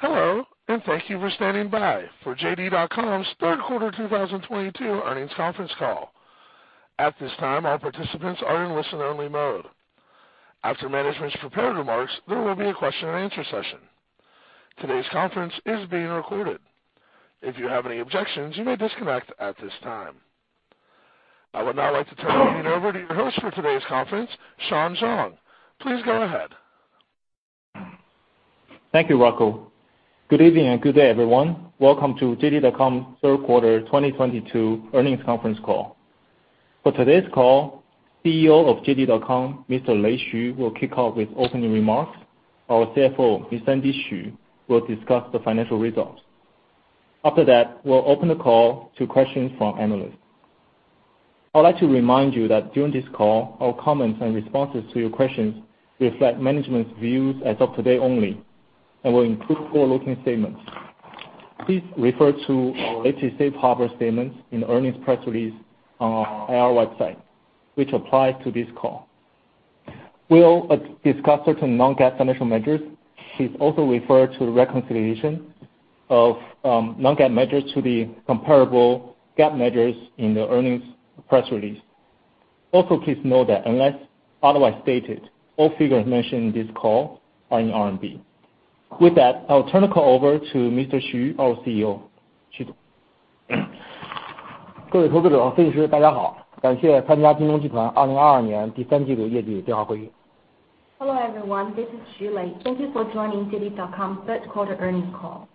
Hello. Thank you for standing by for JD.com's third quarter 2022 earnings conference call. At this time, all participants are in listen-only mode. After management's prepared remarks, there will be a question and answer session. Today's conference is being recorded. If you have any objections, you may disconnect at this time. I would now like to turn the meeting over to your host for today's conference, Sean Zhang. Please go ahead. Thank you, Ruckel. Good evening and good day, everyone. Welcome to JD.com's third quarter 2022 earnings conference call. For today's call, CEO of JD.com, Mr. Lei Xu, will kick off with opening remarks. Our CFO, Ms. Sandy Ran Xu, will discuss the financial results. After that, we'll open the call to questions from analysts. I'd like to remind you that during this call, our comments and responses to your questions reflect management's views as of today only and will include forward-looking statements. Please refer to our SEC harbor statements in earnings press release on our IR website, which apply to this call. We'll discuss certain non-GAAP financial measures. Please also refer to the reconciliation of non-GAAP measures to the comparable GAAP measures in the earnings press release. Also, please note that unless otherwise stated, all figures mentioned in this call are in RMB. With that, I'll turn the call over to Mr. Xu, our CEO. Xu. Hello, everyone. This is Xu Lei. Thank you for joining JD.com's third-quarter earnings call.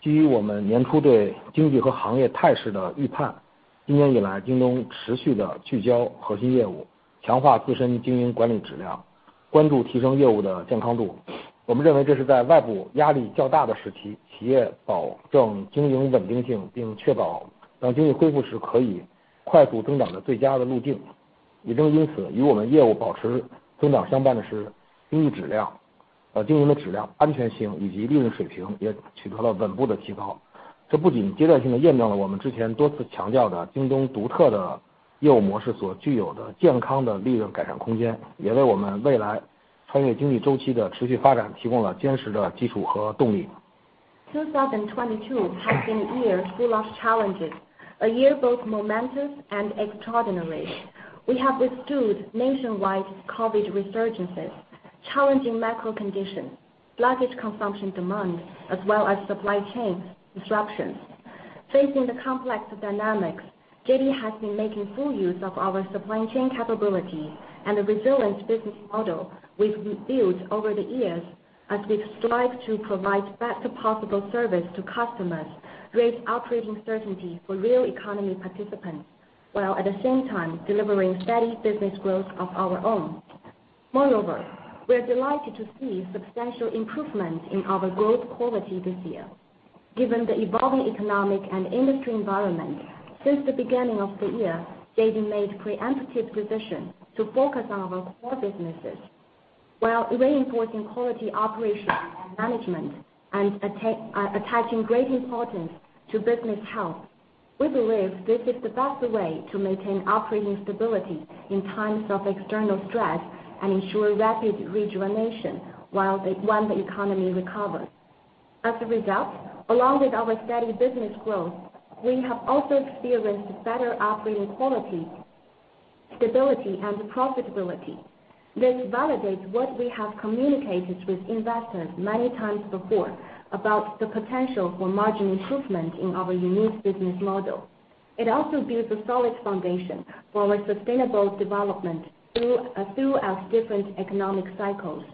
2022 has been a year full of challenges, a year both momentous and extraordinary. We have withstood nationwide COVID resurgences, challenging macro conditions, sluggish consumption demand, as well as supply chain disruptions. Facing the complex dynamics, JD has been making full use of our supply chain capability and the resilient business model we've built over the years as we strive to provide best possible service to customers, create raise operating certainty for real economy participants, while at the same time delivering steady growth of our own. Moreover, we're delighted to see substantial improvement in our growth quality this year. Given the evolving economic and industry environment, since the beginning of the year, JD made preemptive decisions to focus on our core businesses while reinforcing quality operations and management and attaching great importance to business health. We believe this is the best way to maintain operating stability in times of external stress and ensure rapid rejuvenation when the economy recovers. As a result, along with our steady business growth, we have also experienced better operating quality, stability, and profitability. This validates what we have communicated with investors many times before about the potential for margin improvement in our unique business model. It also builds a solid foundation for our sustainable development throughout different economic cycles.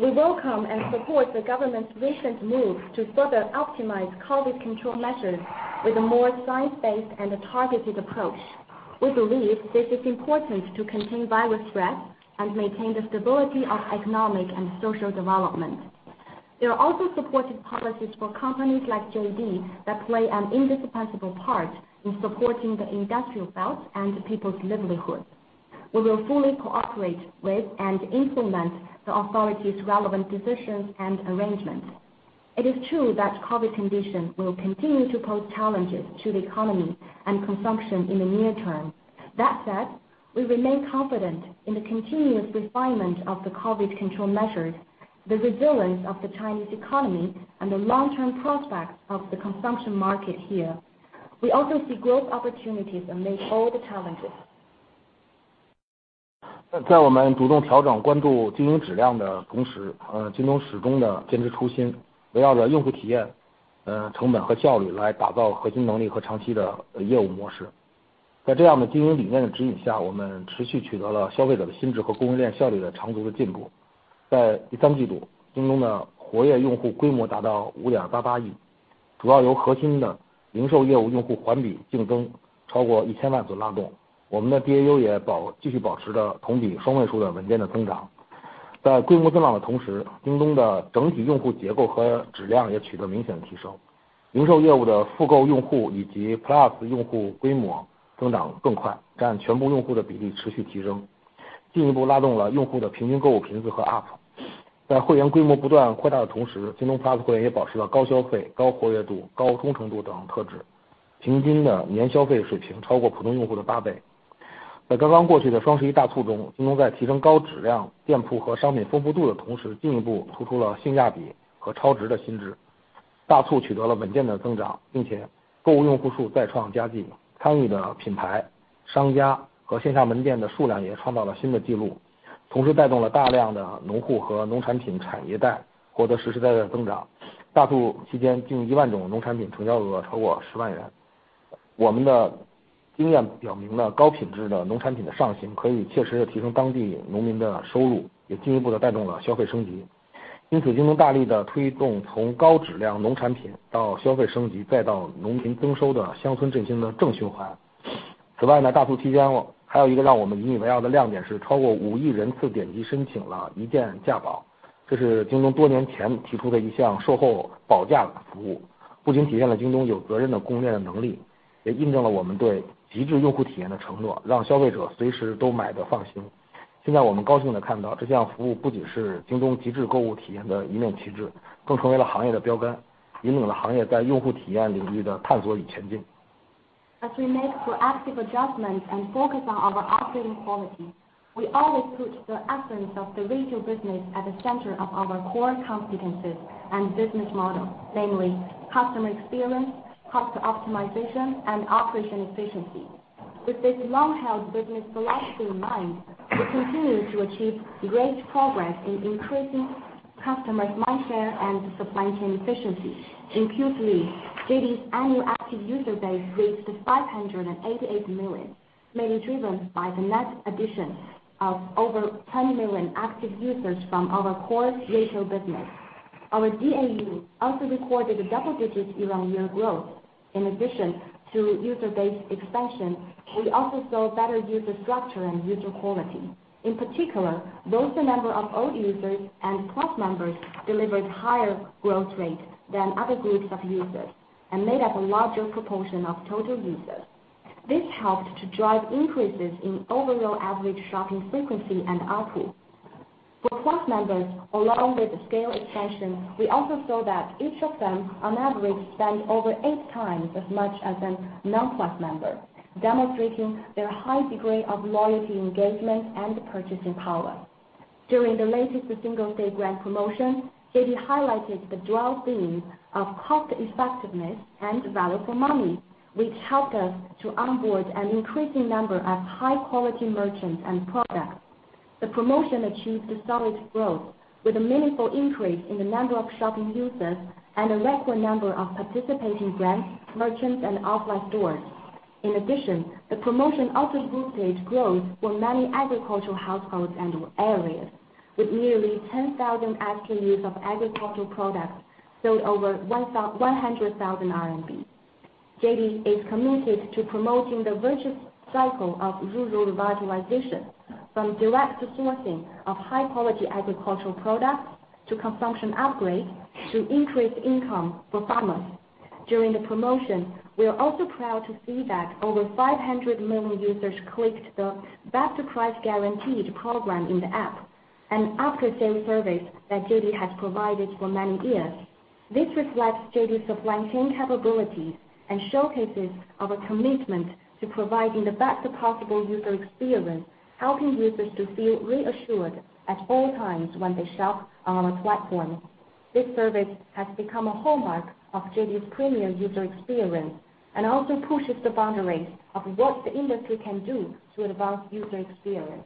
We welcome and support the government's recent moves to further optimize COVID control measures with a more science-based and a targeted approach. We believe this is important to contain virus threats and maintain the stability of economic and social development. There are also supportive policies for companies like JD that play an indispensable part in supporting the industrial belt and people's livelihood. We will fully cooperate with and implement the authorities' relevant decisions and arrangements. It is true that COVID condition will continue to pose challenges to the economy and consumption in the near term. That said, we remain confident in the continuous refinement of the COVID control measures, the resilience of the Chinese economy, and the long-term prospects of the consumption market here. We also see growth opportunities amid all the challenges. As we make proactive adjustments and focus on our operating quality, we always put the essence of the retail business at the center of our core competencies and business model, namely customer experience, cost optimization, and operation efficiency. With this long-held business philosophy in mind, we continue to achieve great progress in increasing customers' mindshare and supply chain efficiency. In Q3, JD's annual active user base reached 588 million, mainly driven by the net addition of over 10 million active users from our core retail business. Our DAU also recorded a double-digit year-on-year growth. In addition to user base expansion, we also saw better user structure and user quality. In particular, both the number of old users and Plus members delivered higher growth rate than other groups of users and made up a larger proportion of total users. This helped to drive increases in overall average shopping frequency and ARPU. For Plus members, along with the scale expansion, we also saw that each of them on average spent over eight times as much as a non-Plus member, demonstrating their high degree of loyalty, engagement, and purchasing power. During the latest Singles Day Grand Promotion, JD highlighted the dual themes of cost effectiveness and value for money, which helped us to onboard an increasing number of high quality merchants and products. The promotion achieved solid growth with a meaningful increase in the number of shopping users and a record number of participating brands, merchants, and offline stores. In addition, the promotion also boosted growth for many agricultural households and areas, with nearly 10,000 SKUs of agricultural products sold over 100,000 RMB. JD is committed to promoting the virtuous cycle of rural revitalization from direct sourcing of high-quality agricultural products to consumption upgrades to increased income for farmers. During the promotion, we are also proud to see that over 500 million users clicked the Best Price Guaranteed program in the app, an after-sales service that JD has provided for many years. This reflects JD's supply chain capabilities and showcases our commitment to providing the best possible user experience, helping users to feel reassured at all times when they shop on our platform. This service has become a hallmark of JD's premium user experience and also pushes the boundaries of what the industry can do to advance user experience.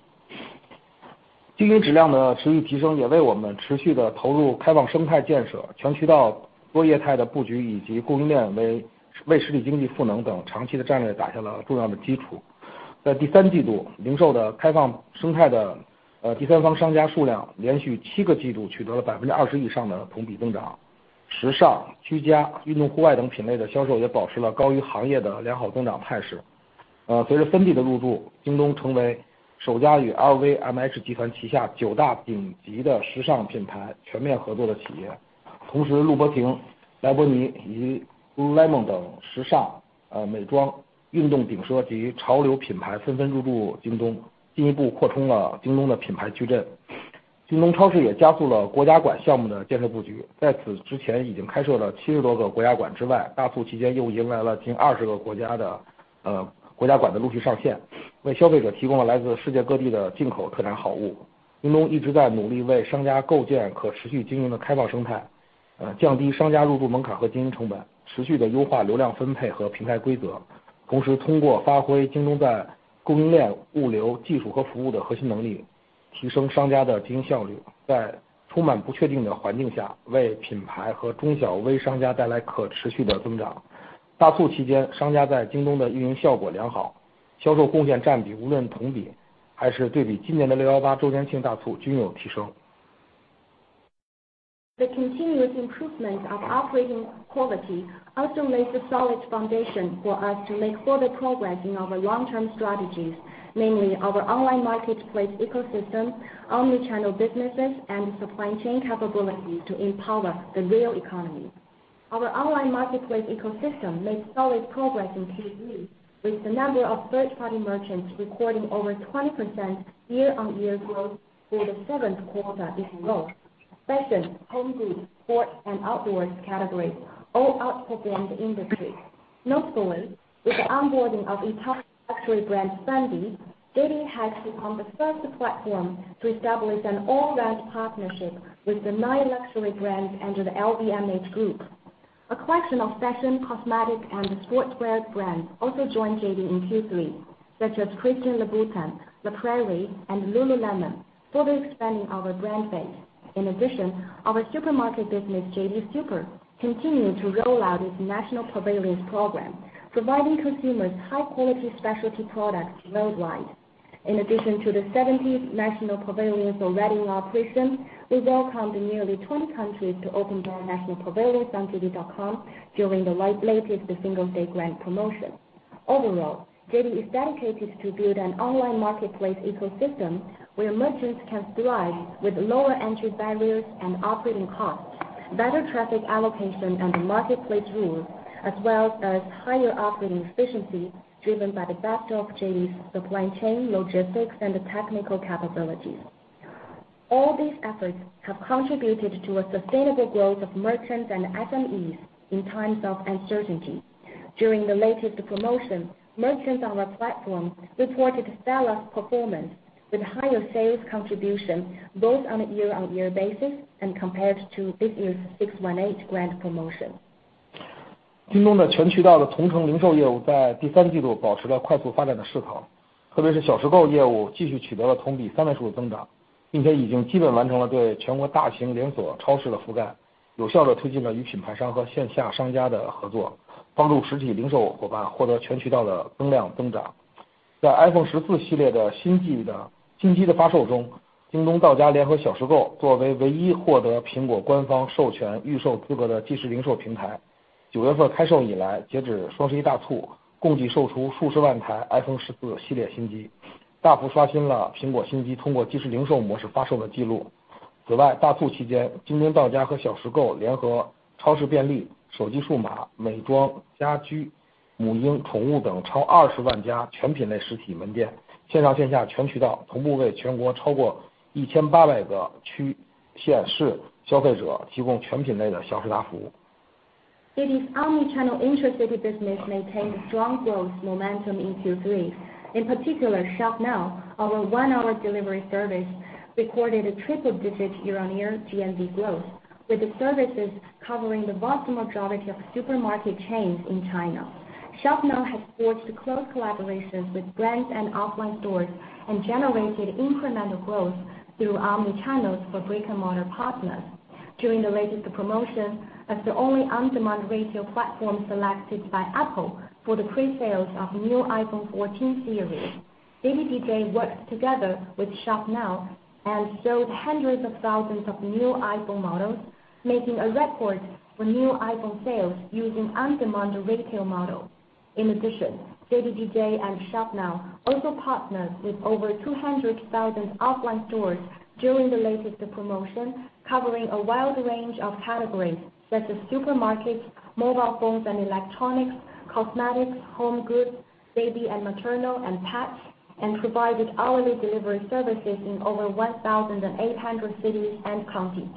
经营质量的持续提升，也为我们持续地投入开放生态建设、全渠道多业态的布局，以及供应链为实体经济赋能等长期的战略打下了重要的基础。在第三季度，零售的开放生态的第三方商家数量连续七个季度取得了20%以上的同比增长。时尚、居家、运动户外等品类的销售也保持了高于行业的良好增长态势。随着Fendi的入驻，京东成为首家与LVMH集团旗下九大顶级的时尚品牌全面合作的企业。同时，Christian Louboutin、La The continuous improvement of operating quality also lays a solid foundation for us to make further progress in our long-term strategies, mainly our online marketplace ecosystem, omnichannel businesses, and supply chain capabilities to empower the real economy. Our online marketplace ecosystem made solid progress in Q3, with the number of third-party merchants recording over 20% year-on-year growth for the seventh quarter in a row. Fashion, home goods, sports and outdoors categories all outperformed the industry. Notably, with the onboarding of eight top luxury brands recently, JD has become the first platform to establish an all-round partnership with the nine luxury brands under the LVMH Group. A collection of fashion, cosmetic and sportswear brands also joined JD in Q3, such as Christian Louboutin, La Prairie and Lululemon, further expanding our brand base. In addition, our supermarket business, JD Super, continued to roll out its national pavilions program, providing consumers high-quality specialty products worldwide. In addition to the 70 National pavilions already in operation, we welcomed nearly 20 countries to open their national pavilions on JD.com during the latest Singles Day Grand Promotion. Overall, JD is dedicated to build an online marketplace ecosystem where merchants can thrive with lower entry barriers and operating costs, better traffic allocation and marketplace rules, as well as higher operating efficiency driven by the back of JD's supply chain, logistics and technical capabilities. All these efforts have contributed to a sustainable growth of merchants and SMEs in times of uncertainty. During the latest promotion, merchants on our platform reported stellar performance with higher sales contribution both on a year-on-year basis and compared to this year's 618 Grand Promotion. 京东的全渠道的同城零售业务在第三季度保持了快速发展的势头，特别是小时购业务继续取得了同比三位数的增长，并且已经基本完成了对全国大型连锁超市的覆盖，有效地推进了与品牌商和线下商家的合作，帮助实体零售伙伴获得全渠道的增量增长。在iPhone JD's omnichannel intercity business maintained strong growth momentum in Q3. In particular, Shop Now, our 1-hour delivery service, recorded a triple-digit year-on-year GMV growth, with the services covering the vast majority of supermarket chains in China. Shop Now has forged close collaborations with brands and offline stores and generated incremental growth through omni-channels for brick-and-mortar partners. During the latest promotion, as the only on-demand retail platform selected by Apple for the pre-sales of new iPhone 14 series, JDDJ worked together with Shop Now and sold hundreds of thousands of new iPhone models, making a record for new iPhone sales using on-demand retail model. In addition, JDDJ and Shop Now also partnered with over 200,000 offline stores during the latest promotion, covering a wide range of categories such as supermarkets, mobile phones and electronics, cosmetics, home goods, baby and maternal and pets, and provided hourly delivery services in over 1,800 cities and counties.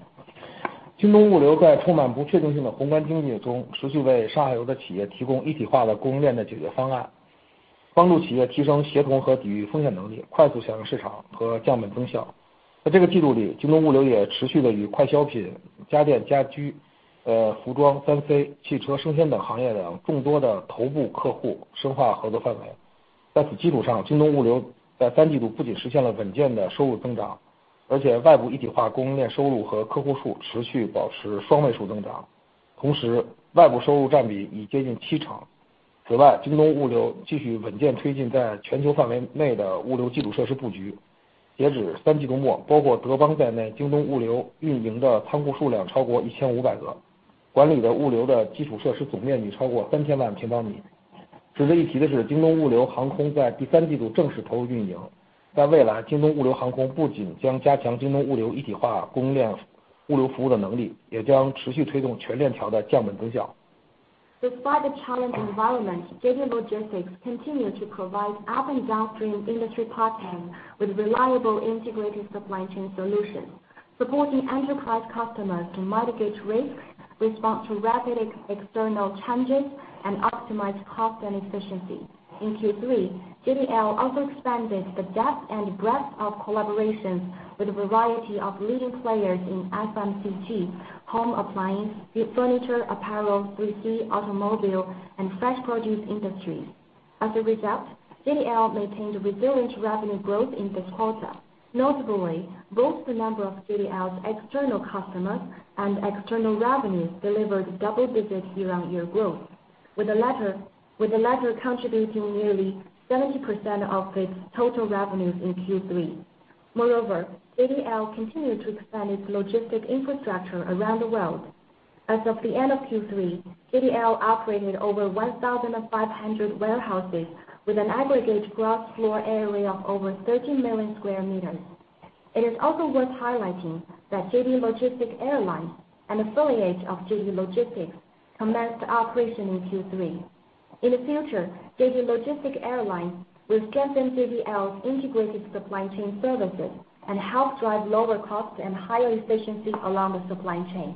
Airlines在第三季度正式投入运营。在未来，JD Airlines不仅将加强京东物流一体化供应链物流服务的能力，也将持续推动全链条的降本增效。Despite the challenging environment, JD Logistics continued to provide up and downstream industry partners with reliable integrated supply chain solutions, supporting enterprise customers to mitigate risks, respond to rapid external changes, and optimize cost and efficiency. In Q3, JDL also expanded the depth and breadth of collaborations with a variety of leading players in FMCG, home appliance, furniture, apparel, 3C, automobile, and fresh produce industries. As a result, JDL maintained resilient revenue growth in this quarter. Notably, both the number of JDL's external customers and external revenues delivered double-digit year-on-year growth, with the latter contributing nearly 70% of its total revenues in Q3. Moreover, JDL continued to expand its logistics infrastructure around the world. As of the end of Q3, JDL operated over 1,500 warehouses with an aggregate gross floor area of over 13 million square meters. It is also worth highlighting that JD Logistics Airlines, an affiliate of JD Logistics, commenced operation in Q3. In the future, JD Logistics Airlines will strengthen JDL's integrated supply chain services and help drive lower costs and higher efficiencies along the supply chain.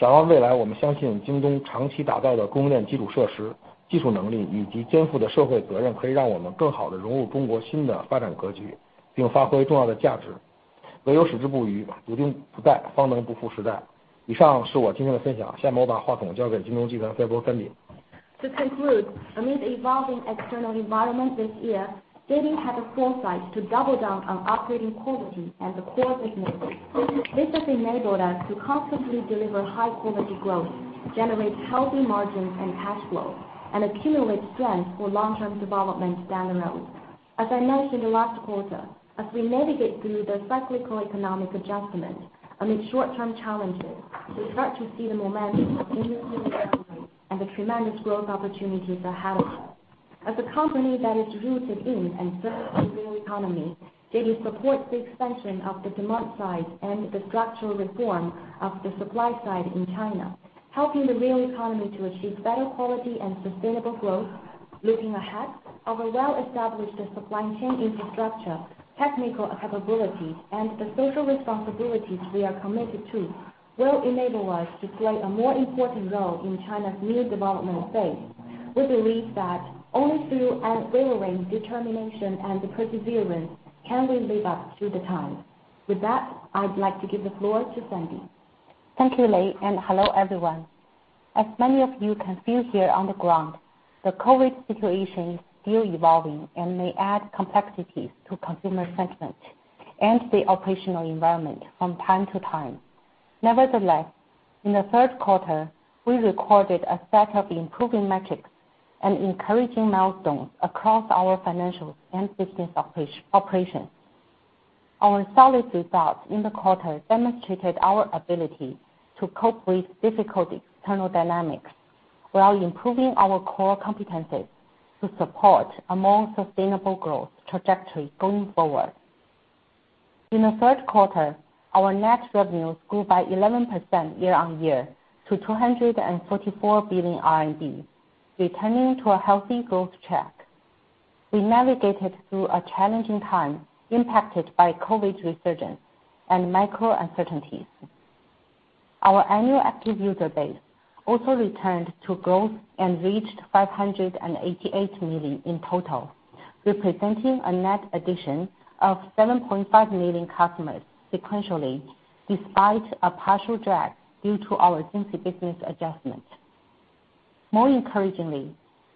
Sandy。To conclude, amid evolving external environment this year, JD had the foresight to double down on operating quality and the core business. This has enabled us to constantly deliver high-quality growth, generate healthy margins and cash flow, and accumulate strength for long-term development down the road. As I mentioned the last quarter, as we navigate through the cyclical economic adjustment amid short-term challenges, we start to see the momentum and the tremendous growth opportunities ahead of us. As a company that is rooted in and serves the real economy, JD supports the expansion of the demand side and the structural reform of the supply side in China, helping the real economy to achieve better-quality and sustainable growth. Looking ahead, our well-established supply chain infrastructure, technical capabilities, and the social responsibilities we are committed to will enable us to play a more important role in China's new development phase. We believe that only through unwavering determination and perseverance can we live up to the times. With that, I'd like to give the floor to Sandy. Thank you, Lei, and hello, everyone. As many of you can feel here on the ground, the COVID situation is still evolving and may add complexities to consumer sentiment and the operational environment from time to time. Nevertheless, in the third quarter, we recorded a set of improving metrics and encouraging milestones across our financials and business operation. Our solid results in the quarter demonstrated our ability to cope with difficult external dynamics while improving our core competencies to support a more sustainable growth trajectory going forward. In the third quarter, our net revenues grew by 11% year-on-year to 244 billion RMB, returning to a healthy growth track. We navigated through a challenging time impacted by COVID resurgence and macro uncertainties. Our annual active user base also returned to growth and reached 588 million in total, representing a net addition of 7.5 million customers sequentially, despite a partial drag due to our Jingxi business adjustment. More encouragingly,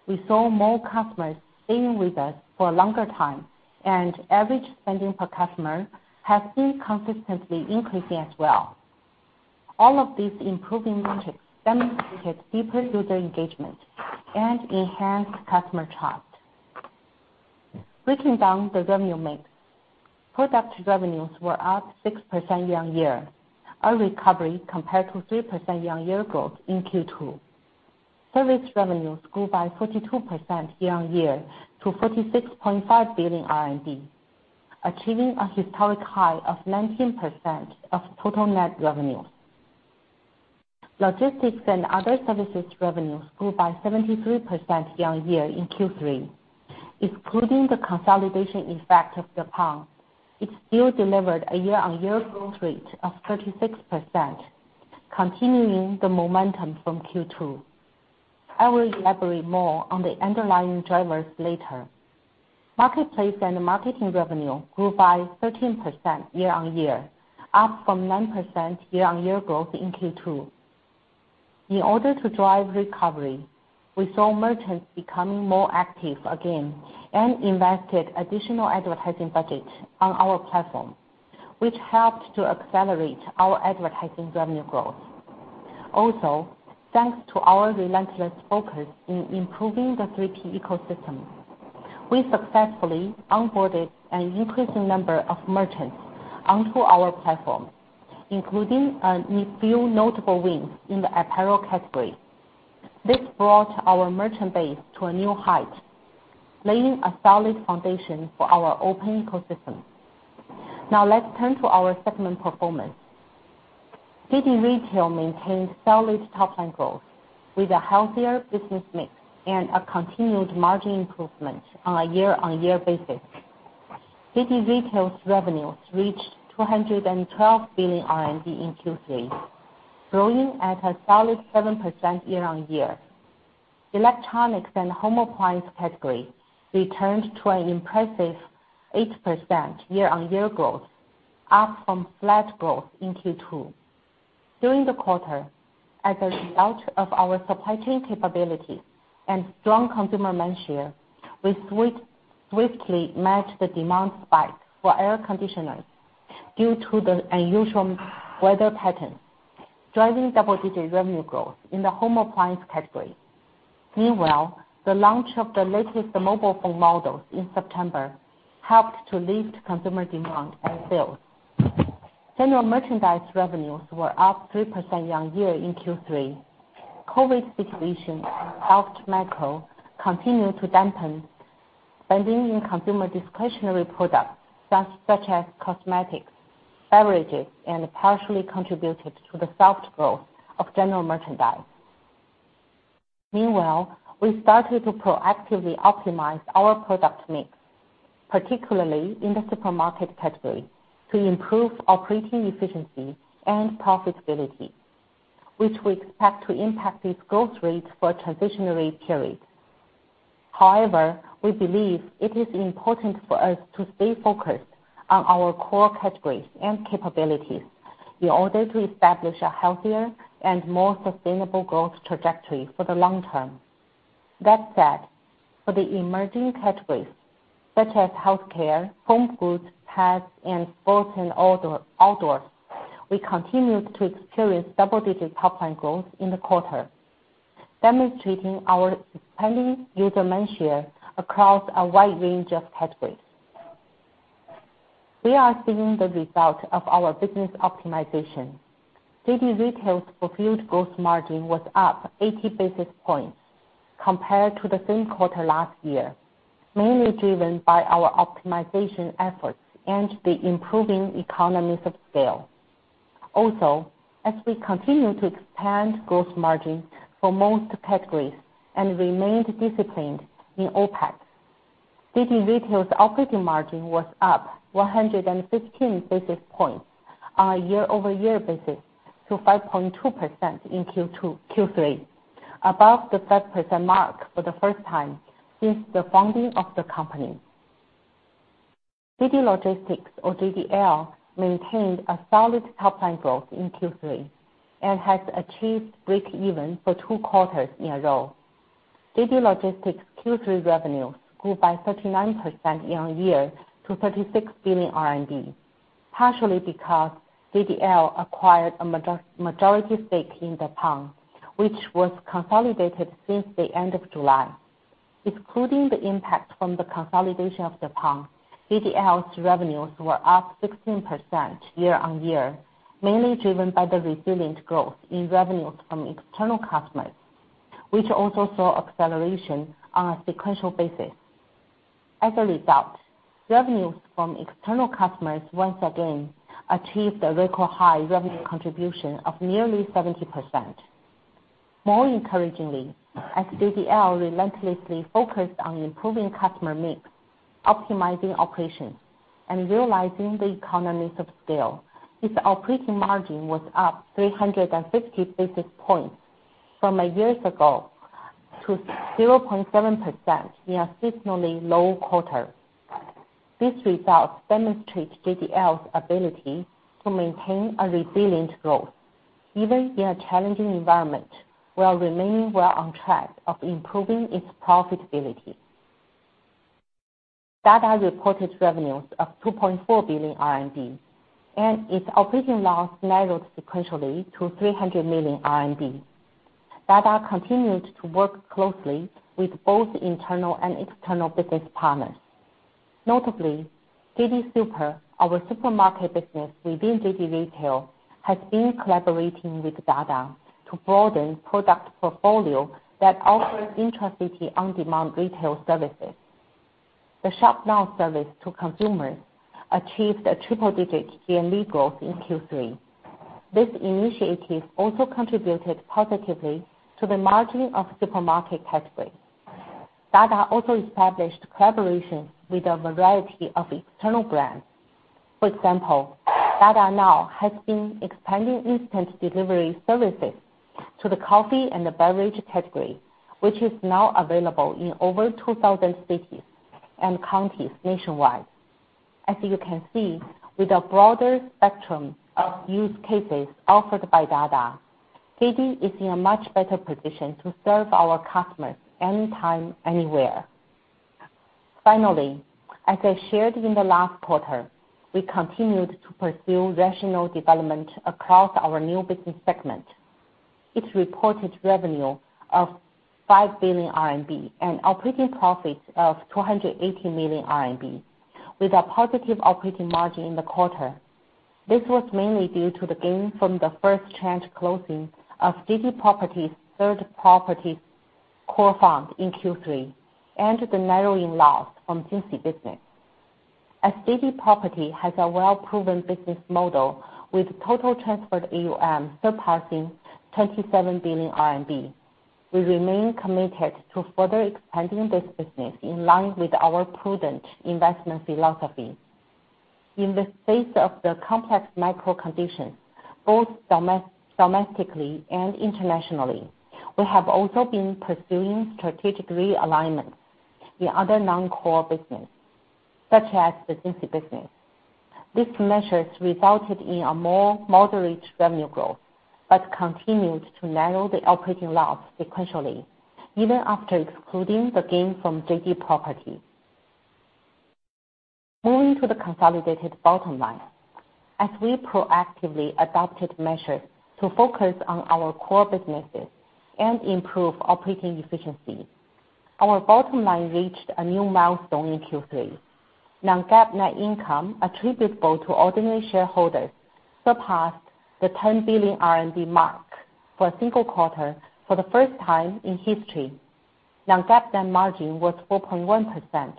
we saw more customers staying with us for a longer time, and average spending per customer has been consistently increasing as well. All of these improving metrics demonstrated deeper user engagement and enhanced customer trust. Looking down the revenue mix, product revenues were up 6% year-on-year, a recovery compared to 3% year-on-year growth in Q2. Service revenues grew by 42% year-on-year to 46.5 billion RMB, achieving a historic high of 19% of total net revenues. Logistics and other services revenues grew by 73% year-on-year in Q3. Excluding the consolidation effect of Deppon, it still delivered a year-on-year growth rate of 36%. Continuing the momentum from Q2, I will elaborate more on the underlying drivers later. Marketplace and marketing revenue grew by 13% year-on-year, up from 9% year-on-year growth in Q2. In order to drive recovery, we saw merchants becoming more active again and invested additional advertising budget on our platform, which helped to accelerate our advertising revenue growth. Also, thanks to our relentless focus in improving the 3P ecosystem, we successfully onboarded an increasing number of merchants onto our platform, including a few notable wins in the apparel category. This brought our merchant base to a new height, laying a solid foundation for our open ecosystem. Now let's turn to our segment performance. JD Retail maintained solid top-line growth with a healthier business mix and a continued margin improvement on a year-on-year basis. JD Retail's revenues reached 212 billion RMB in Q3, growing at a solid 7% year-on-year. Electronics and home appliance category returned to an impressive 8% year-on-year growth, up from flat growth in Q2. During the quarter, as a result of our supply chain capability and strong consumer mindshare, we swiftly matched the demand spike for air conditioners due to the unusual weather pattern, driving double-digit revenue growth in the home appliance category. Meanwhile, the launch of the latest mobile phone models in September helped to lift consumer demand and sales. General merchandise revenues were up 3% year-on-year in Q3. COVID situation helped macro continue to dampen spending in consumer discretionary products such as cosmetics, beverages, and partially contributed to the soft growth of general merchandise. Meanwhile, we started to proactively optimize our product mix, particularly in the supermarket category, to improve operating efficiency and profitability, which we expect to impact its growth rate for a transitionary period. However, we believe it is important for us to stay focused on our core categories and capabilities in order to establish a healthier and more sustainable growth trajectory for the long term. That said, for the emerging categories such as healthcare, home goods, pets, and sports and outdoors, we continued to experience double-digit top-line growth in the quarter, demonstrating our expanding user mindshare across a wide range of categories. We are seeing the results of our business optimization. JD Retail's fulfilled gross margin was up 80 basis points compared to the same quarter last year, mainly driven by our optimization efforts and the improving economies of scale. Also, as we continue to expand gross margin for most categories and remained disciplined in OpEx, JD Retail's operating margin was up 115 basis points on a year-over-year basis to 5.2% in Q3, above the 5% mark for the first time since the founding of the company. JD Logistics, or JDL, maintained a solid top-line growth in Q3 and has achieved breakeven for two quarters in a row. JD Logistics' Q3 revenues grew by 39% year-on-year to RMB 36 billion, partially because JDL acquired a majority stake in Deppon, which was consolidated since the end of July. Excluding the impact from the consolidation of Deppon, JDL's revenues were up 16% year-over-year, mainly driven by the resilient growth in revenues from external customers, which also saw acceleration on a sequential basis. As a result, revenues from external customers once again achieved a record high revenue contribution of nearly 70%. More encouragingly, as JDL relentlessly focused on improving customer mix, optimizing operations, and realizing the economies of scale, its operating margin was up 350 basis points from a year ago to 0.7% in a seasonally low quarter. These results demonstrate JDL's ability to maintain a resilient growth even in a challenging environment, while remaining well on track of improving its profitability. Dada reported revenues of 2.4 billion RMB, and its operating loss narrowed sequentially to 300 million RMB. Dada continued to work closely with both internal and external business partners. Notably, JD Super, our supermarket business within JD Retail, has been collaborating with Dada to broaden product portfolio that offers intra-city on-demand retail services. The Shop Now service to consumers achieved a triple-digit GMV growth in Q3. This initiative also contributed positively to the margin of supermarket category. Dada also established collaboration with a variety of external brands. For example, Dada Now has been expanding instant delivery services to the coffee and the beverage category, which is now available in over 2,000 cities and counties nationwide. As you can see, with a broader spectrum of use cases offered by Dada, JD is in a much better position to serve our customers anytime, anywhere. Finally, as I shared in the last quarter, we continued to pursue rational development across our new business segment. It's reported revenue of 5 billion RMB and operating profits of 280 million RMB with a positive operating margin in the quarter. This was mainly due to the gain from the first tranche closing of JD Property's third property core fund in Q3, and the narrowing loss from Jingxi business. As JD Property has a well-proven business model with total transferred AUM surpassing 27 billion RMB, we remain committed to further expanding this business in line with our prudent investment philosophy. In the face of the complex macro conditions, both domestically and internationally, we have also been pursuing strategic realignment in other non-core business, such as the Jingxi business. These measures resulted in a more moderate revenue growth, but continued to narrow the operating loss sequentially, even after excluding the gain from JD Property. Moving to the consolidated bottom line. As we proactively adopted measures to focus on our core businesses and improve operating efficiency, our bottom line reached a new milestone in Q3. Non-GAAP net income attributable to ordinary shareholders surpassed the 10 billion RMB mark for a single quarter for the first time in history. Non-GAAP net margin was 4.1%,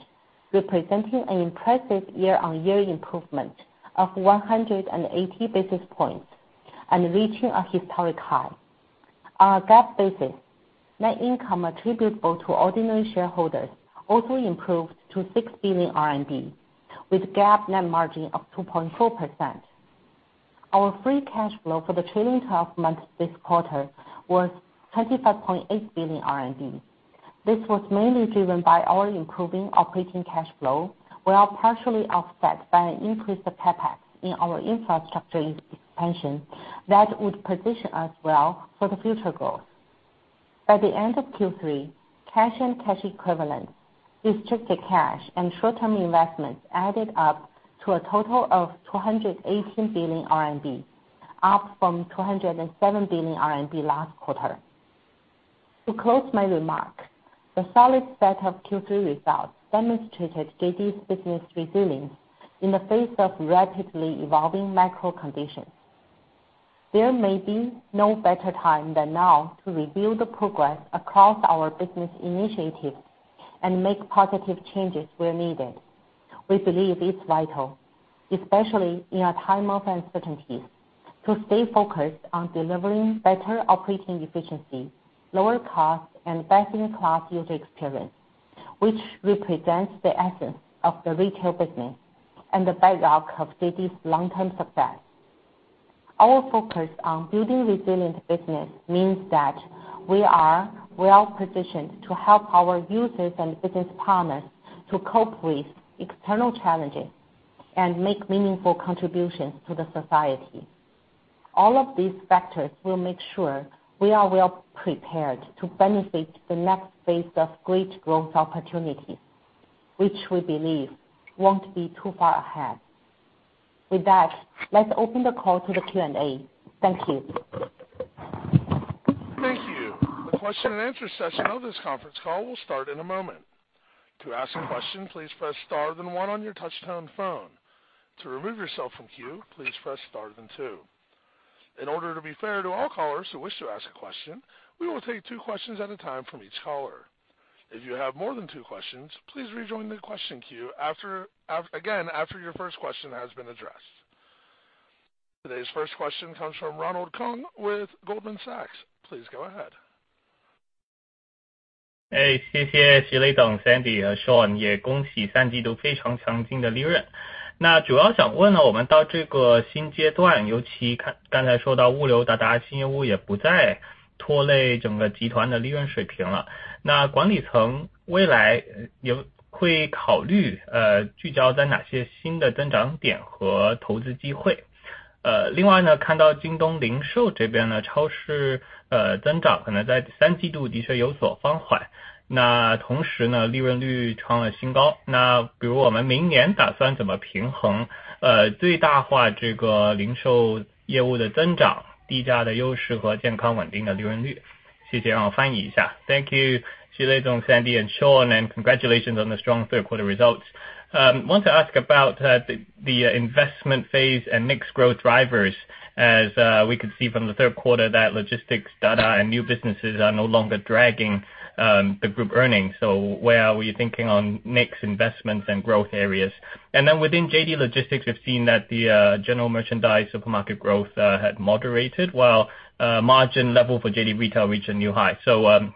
representing an impressive year-on-year improvement of 180 basis points and reaching a historic high. On a GAAP basis, net income attributable to ordinary shareholders also improved to 6 billion RMB with GAAP net margin of 2.4%. Our free cash flow for the trailing 12 months this quarter was 25.8 billion RMB. This was mainly driven by our improving operating cash flow, where partially offset by an increase of CapEx in our infrastructure expansion that would position us well for the future growth. By the end of Q3, cash and cash equivalents, restricted cash, and short-term investments added up to a total of 218 billion RMB, up from 207 billion RMB last quarter. To close my remark, the solid set of Q3 results demonstrated JD's business resilience in the face of rapidly evolving macro conditions. There may be no better time than now to review the progress across our business initiatives and make positive changes where needed. We believe it's vital, especially in a time of uncertainty, to stay focused on delivering better operating efficiency, lower costs, and best-in-class user experience, which represents the essence of the retail business and the bedrock of JD's long-term success. Our focus on building resilient business means that we are well-positioned to help our users and business partners to cope with external challenges and make meaningful contributions to the society. All of these factors will make sure we are well prepared to benefit the next phase of great growth opportunities, which we believe won't be too far ahead. With that, let's open the call to the Q&A. Thank you. Thank you. The question and answer session of this conference call will start in a moment. To ask a question, please press star then 1 on your touchtone phone. To remove yourself from queue, please press star then 2. In order to be fair to all callers who wish to ask a question, we will take 2 questions at a time from each caller. If you have more than 2 questions, please rejoin the question queue again after your first question has been addressed. Today's first question comes from Ronald Keung with Goldman Sachs. Please go ahead. Hey, Thank you, Xu Lei, Sandy, and Sean, and congratulations on the strong third quarter results. Want to ask about the investment phase and mixed growth drivers as we could see from the third quarter that logistics, Dada, and new businesses are no longer dragging the group earnings. Where are we thinking on next investments and growth areas? Within JD Logistics, we've seen that the general merchandise supermarket growth had moderated while margin level for JD Retail reached a new high.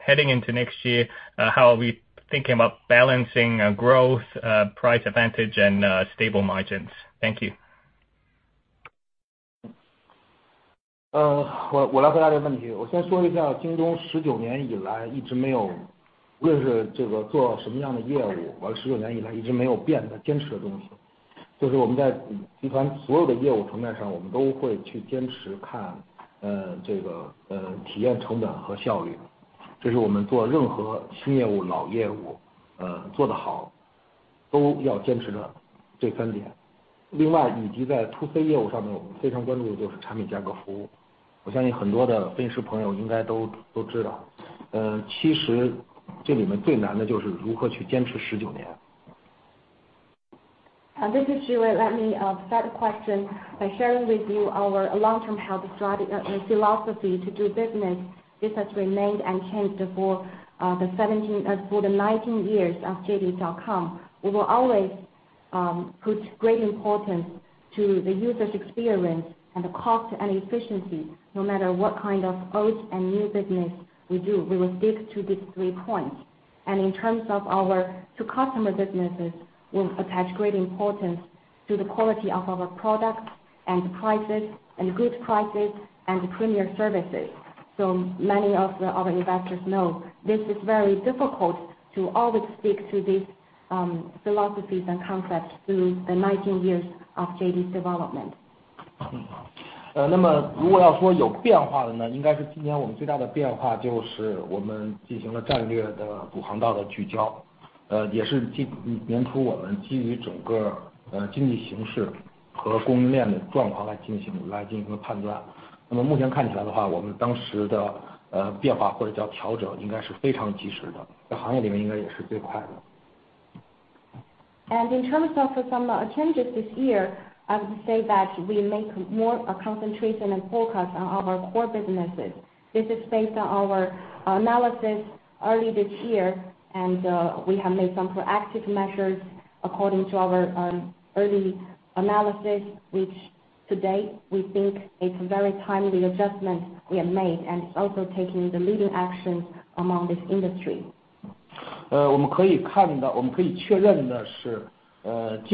Heading into next year, how are we thinking about balancing growth, price advantage, and stable margins? Thank you. C业务上面，我们非常关注的就是产品、价格、服务。我相信很多的分析朋友应该都知道，其实这里面最难的就是如何去坚持十九年。This is Xu Lei, let me start question by sharing with you our long-term philosophy to do business. This has remained unchanged for the 19 years of JD.com. We will always put great importance to the user experience and the cost and efficiency. No matter what kind of old and new business we do, we will stick to these three points. In terms of our to-customer businesses, we attach great importance to the quality of our products and good prices and premier services. Many of our investors know this is very difficult to always stick to these philosophies and concepts through the 19 years of JD's development. 那么如果要说有变化的呢，应该是今年我们最大的变化就是我们进行了战略的主航道的聚焦，也是基于年初我们基于整个经济形势和供应链的状况来进行判断。那么目前看起来的话，我们当时的变化或者叫调整应该是非常及时的，在行业里面应该也是最快的。And In terms of some changes this year, I would say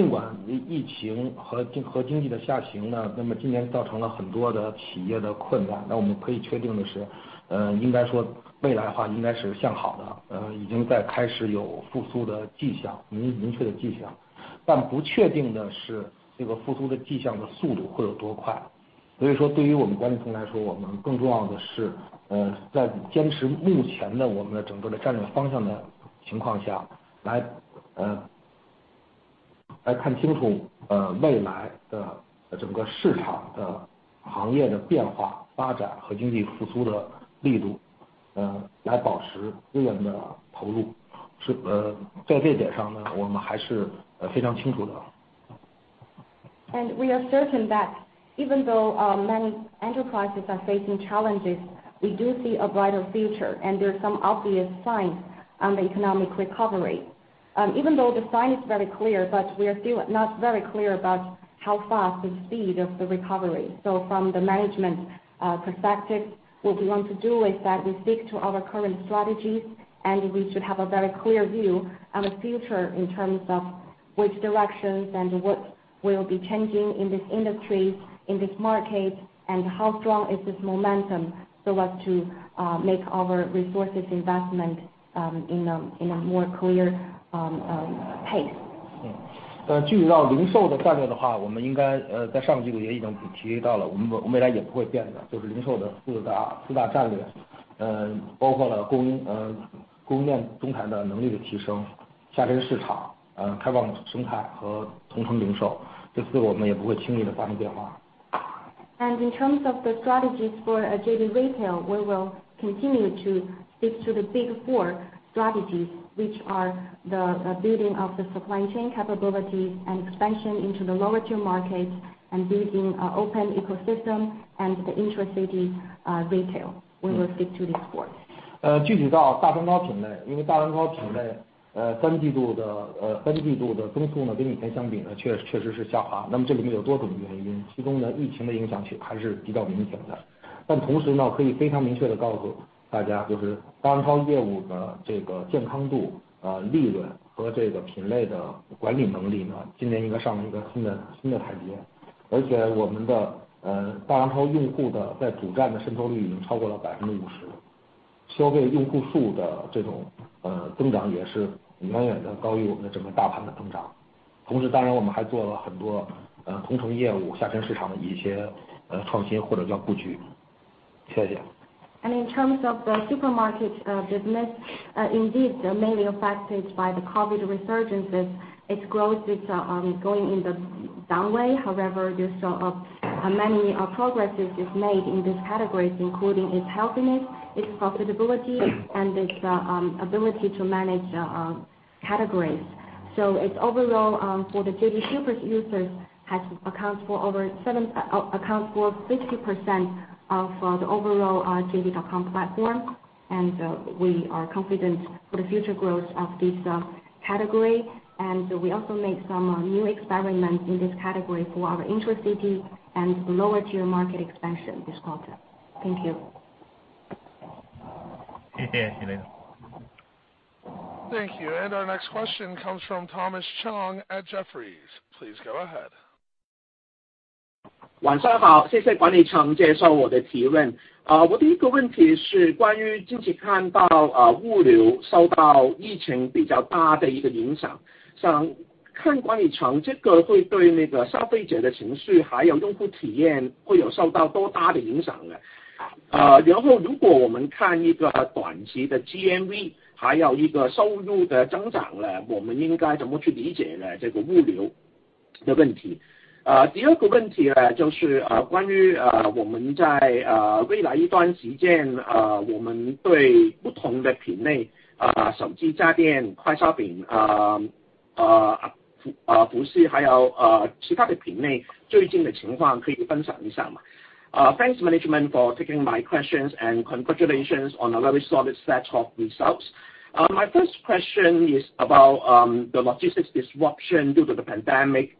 that we make more concentration and focus on our core businesses. This is based on our analysis early this year, and we have made some proactive measures according to our early analysis, which to date we think it's very timely adjustment we have made and also taking the leading action among this industry. 我们可以看的，我们可以确认的是，尽管疫情和经济的下行呢，那么今年造成了很多的企业的困难，但我们可以确定的是，应该说未来的话应该是向好的，已经在开始有复苏的迹象，明确的迹象，但不确定的是这个复苏的迹象的速度会有多快。所以说对于我们管理层来说，我们更重要的是，在坚持目前的我们的整个的战略方向的情况下，来看清楚未来的整个市场的行业的变化发展和经济复苏的力度，来保持资源的投入。在这点上呢，我们还是非常清楚的。And we are certain that even though many enterprises are facing challenges, we do see a brighter future and there's some obvious signs on the economic recovery. Even though the sign is very clear, but we are still not very clear about how fast the speed of the recovery. From the management perspective, what we want to do is that we stick to our current strategies and we should have a very clear view on the future in terms of which directions and what will be changing in this industry, in this market, and how strong is this momentum so as to make our resources investment in a more clear pace. 具体到零售的战略的话，我们应该在上几个月已经提到了，我们未来也不会变的，就是零售的四大战略，包括了供应链中台的能力的提升、下沉市场、开放的生态和同城零售，这四个我们也不会轻易地发生变化。And in terms of the strategies for JD Retail, we will continue to stick to the big four strategies, which are the building of the supply chain capability and expansion into the lower-tier market and building our open ecosystem and the intra-city retail. We will stick to these four. And in terms of the supermarket business indeed mainly affected by the COVID resurgences. Its growth is going in the down way. However, there's a many progresses is made in this categories, including its healthiness, its profitability and its ability to manage categories. Its overall for the JD Super users has accounts for 50% of the overall JD.com platform and we are confident for the future growth of this category. We also make some new experiments in this category for our intra-city and lower-tier market expansion this quarter. Thank you. Thank you. Our next question comes from Thomas Chong at Jefferies. Please go ahead. Thanks management for taking my questions and congratulations on a very solid set of results. My first question is about the logistics disruption due to the pandemic recently.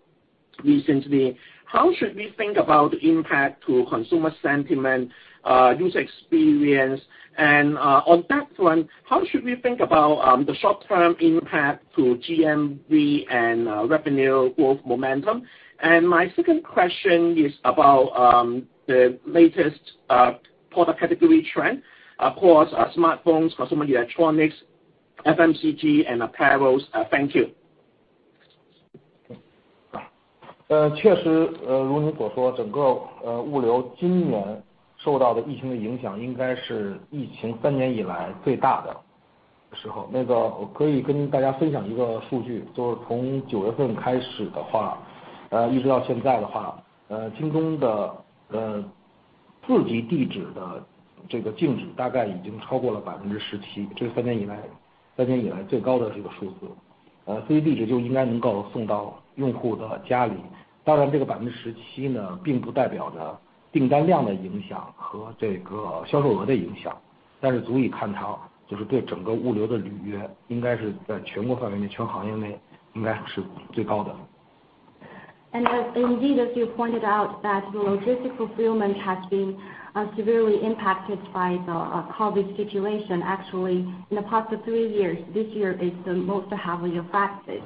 How should we think about impact to consumer sentiment and user experience? On that one, how should we think about the short-term impact to GMV and revenue growth momentum? My second question is about the latest product category trend across smartphones, consumer electronics, FMCG and apparels. Thank you. Indeed, as you pointed out that the logistic fulfillment has been severely impacted by the COVID situation, actually in the past three years, this year is the most heavily affected.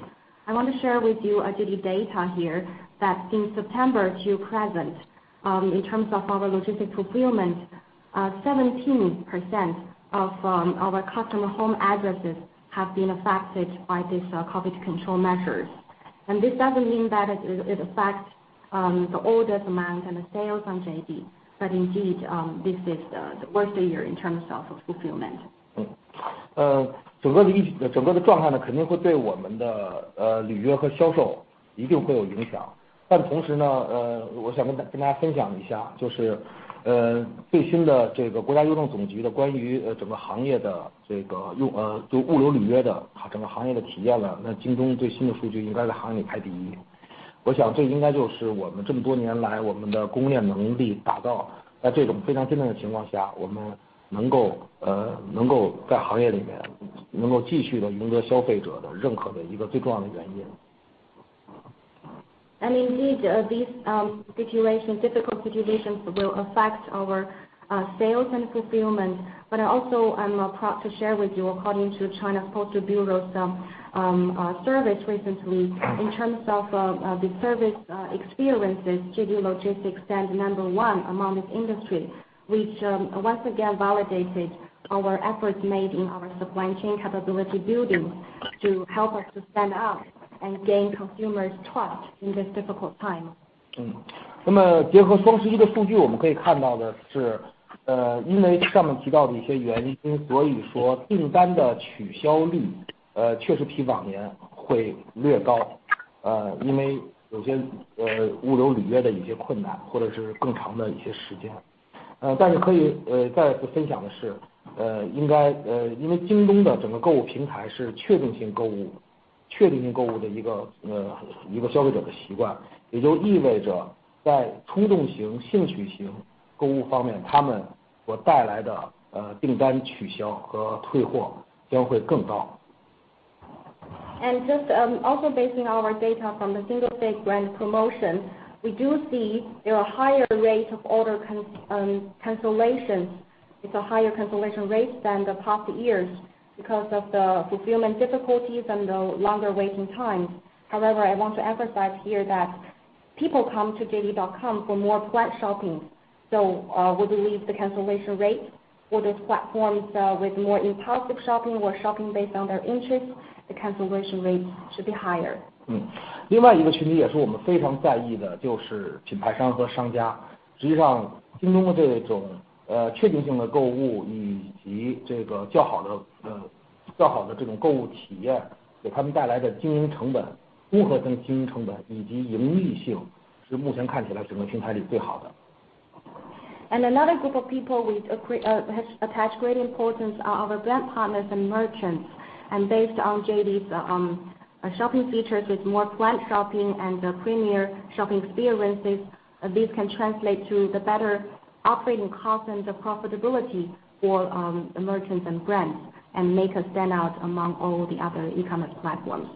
I want to share with you a JD data here that in September to present, in terms of our logistic fulfillment, 17% of our customer home addresses have been affected by this COVID control measures. This doesn't mean that it affects the orders amount and the sales on JD. But indeed, this is the worst year in terms of fulfillment. Indeed, difficult situations will affect our sales and fulfillment. Also, I'm proud to share with you, according to State Post Bureau's service recently, in terms of the service experiences, JD Logistics stand number 1 among the industry, which once again validated our efforts made in our supply chain capability building to help us to stand out and gain consumers' trust in this difficult time. 结合双十一的数据，我们可以看到的是，因为上面提到的一些原因，所以说订单的取消率确实比往年会略高，因为有些物流履约的一些困难，或者是更长的一些时间。但是可以再次分享的是，因为京东的整个购物平台是确定性购物，确定性购物的一个消费者的习惯，也就意味着在冲动型、兴趣型购物方面，他们所带来的订单取消和退货将会更高。And just also basing our data from the Singles Day Grand Promotion, we do see there are higher rates of order cancellation. It's a higher cancellation rate than the past years, because of the fulfillment difficulties and the longer waiting time. However, I want to emphasize here that people come to JD.com for more planned shopping, so we believe the cancellation rate for those platforms with more impulsive shopping or shopping based on their interests, the cancellation rates should be higher. 另外一个群体也是我们非常在意的，就是品牌商和商家。实际上，京东的这种确定性的购物以及较好的购物体验给他们带来的经营成本，综合的经营成本以及盈利性是目前看起来整个平台里最好的。Another group of people has attach great importance are our brand partners and merchants. Based on JD's shopping features with more planned shopping and premier shopping experiences, this can translate to the better operating cost and the profitability for merchants and brands, and make us stand out among all the other e-commerce platforms.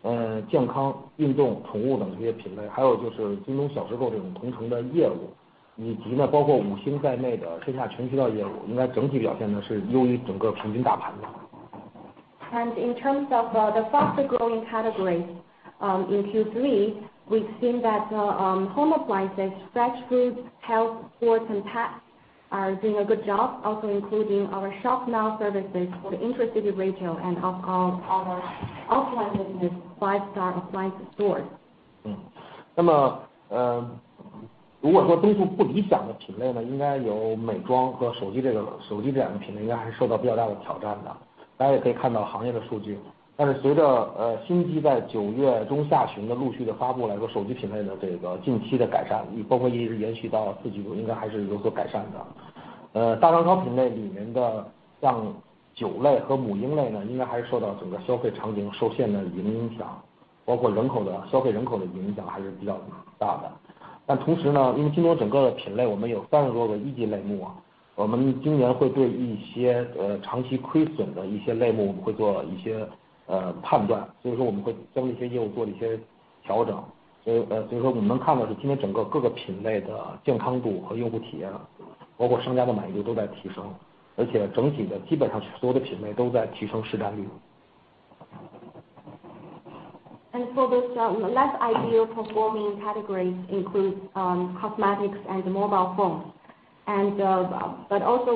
那么在分析一下品类的情况，整个三季度里面我们增长增速比较好的品类是家电、生鲜、健康、运动、宠物等这些品类，还有就是京东小时购这种同城的业务，以及包括五星在内的线下全渠道业务，应该整体表现呢是优于整个平均大盘的。In terms of the faster growing categories, in Q3, we've seen that home appliances, fresh foods, health, sports, and pets are doing a good job, also including our Shop Now services for the intracity retail and our offline business Five Star Appliance. For those less ideal performing categories includes cosmetics and mobile phones.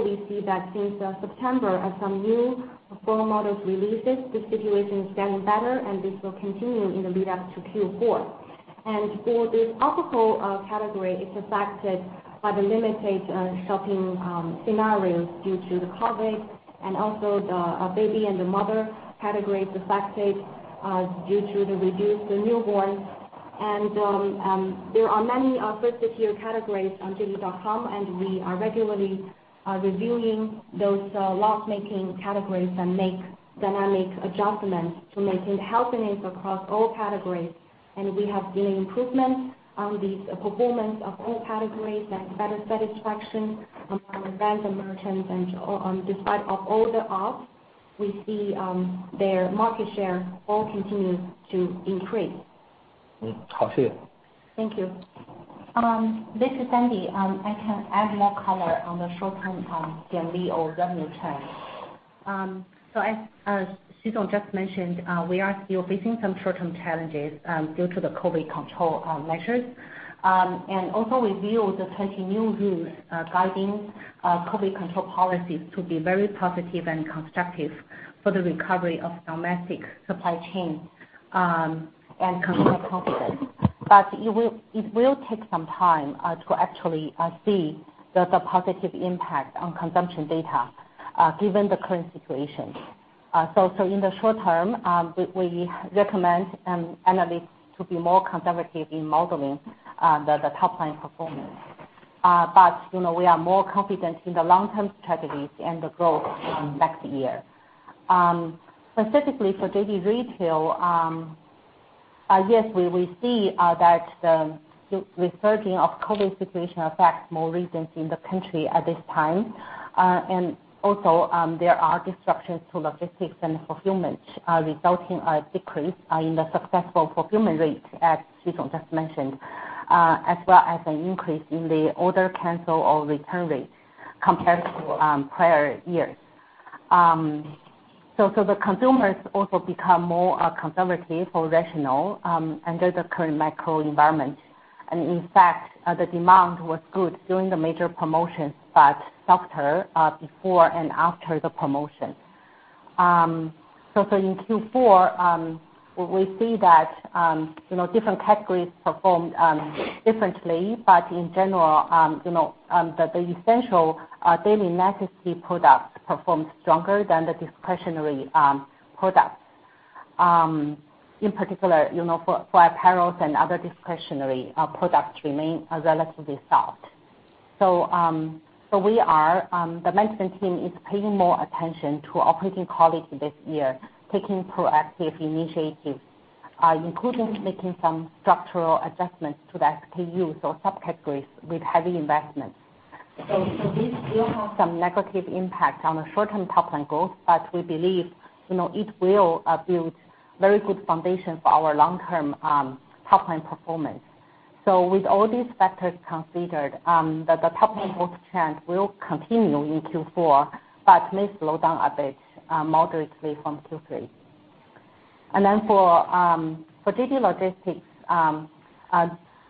We see that since September, as some new phone models releases, the situation is getting better and this will continue in the lead up to Q4. For this alcohol category, it's affected by the limited shopping scenarios due to the COVID and also the baby and the mother category affected due to the reduced the newborns. There are many 52 categories on JD.com, and we are regularly reviewing those loss-making categories and make dynamic adjustments to maintain healthiness across all categories. We have seen improvements on the performance of all categories and better satisfaction from our brand and merchants. Despite of all the off, we see their market share all continue to increase. 好，谢谢。Thank you. This is Sandy. I can add more color on the short-term GMV trends. So as Xu Lei just mentioned, we are still facing some short-term challenges due to the COVID control measures. And also, we view the 20 rules guiding COVID control policies to be very positive and constructive for the recovery of domestic supply chain and consumer confidence. But it will take some time to actually see the positive impact on consumption data given the current situation. In the short-term, we recommend analysts to be more conservative in modeling the top-line performance. But you know, we are more confident in the long-term strategies and the growth in next year, specifically for JD Retail. Yes, we see that the resurging of COVID situation affects more regions in the country at this time. There are disruptions to logistics and fulfillment, resulting a decrease in the successful fulfillment rate, as Xu Lei just mentioned, as well as an increase in the order cancel or return rate compared to prior years. The consumers also become more conservative or rational under the current macro environment. In fact, the demand was good during the major promotions, but softer before and after the promotion. So in Q4, we see that, you know, different categories performed differently. In general, you know, the essential daily necessity products performed stronger than the discretionary products. In particular, you know, for apparels and other discretionary products remain relatively soft. The management team is paying more attention to operating quality this year, taking proactive initiatives, including making some structural adjustments to the SKUs or subcategories with heavy investments. So, we still have some negative impact on the short-term top-line growth. We believe, you know, it will build very good foundation for our long-term top-line performance. With all these factors considered, the top-line growth trend will continue in Q4 but may slow down a bit moderately from Q3. For JD Logistics,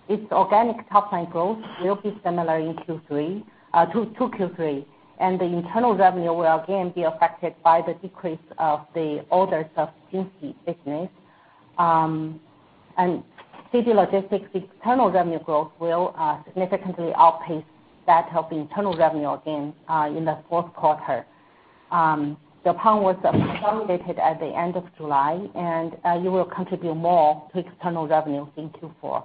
its organic top line growth will be similar in Q3 to Q3, and the internal revenue will again be affected by the decrease of the orders of Jingxi business. JD Logistics' external revenue growth will significantly outpace that of the internal revenue again in the fourth quarter. Deppon was consolidated at the end of July, and it will contribute more to external revenue in Q4.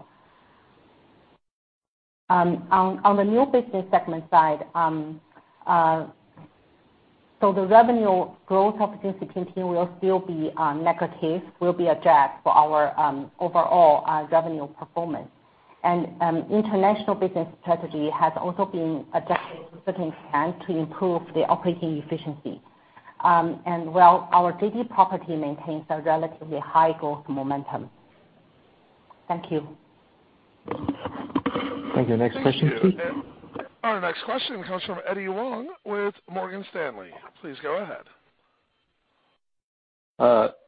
On the new business segment side. The revenue growth opportunity will still be negative, will be a drag for our overall revenue performance. International business strategy has also been adjusted to a certain extent to improve the operating efficiency. Well, our JD Property maintains a relatively high growth momentum. Thank you. Thank you. Next question, please. Our next question comes from Eddie Wang with Morgan Stanley. Please go ahead.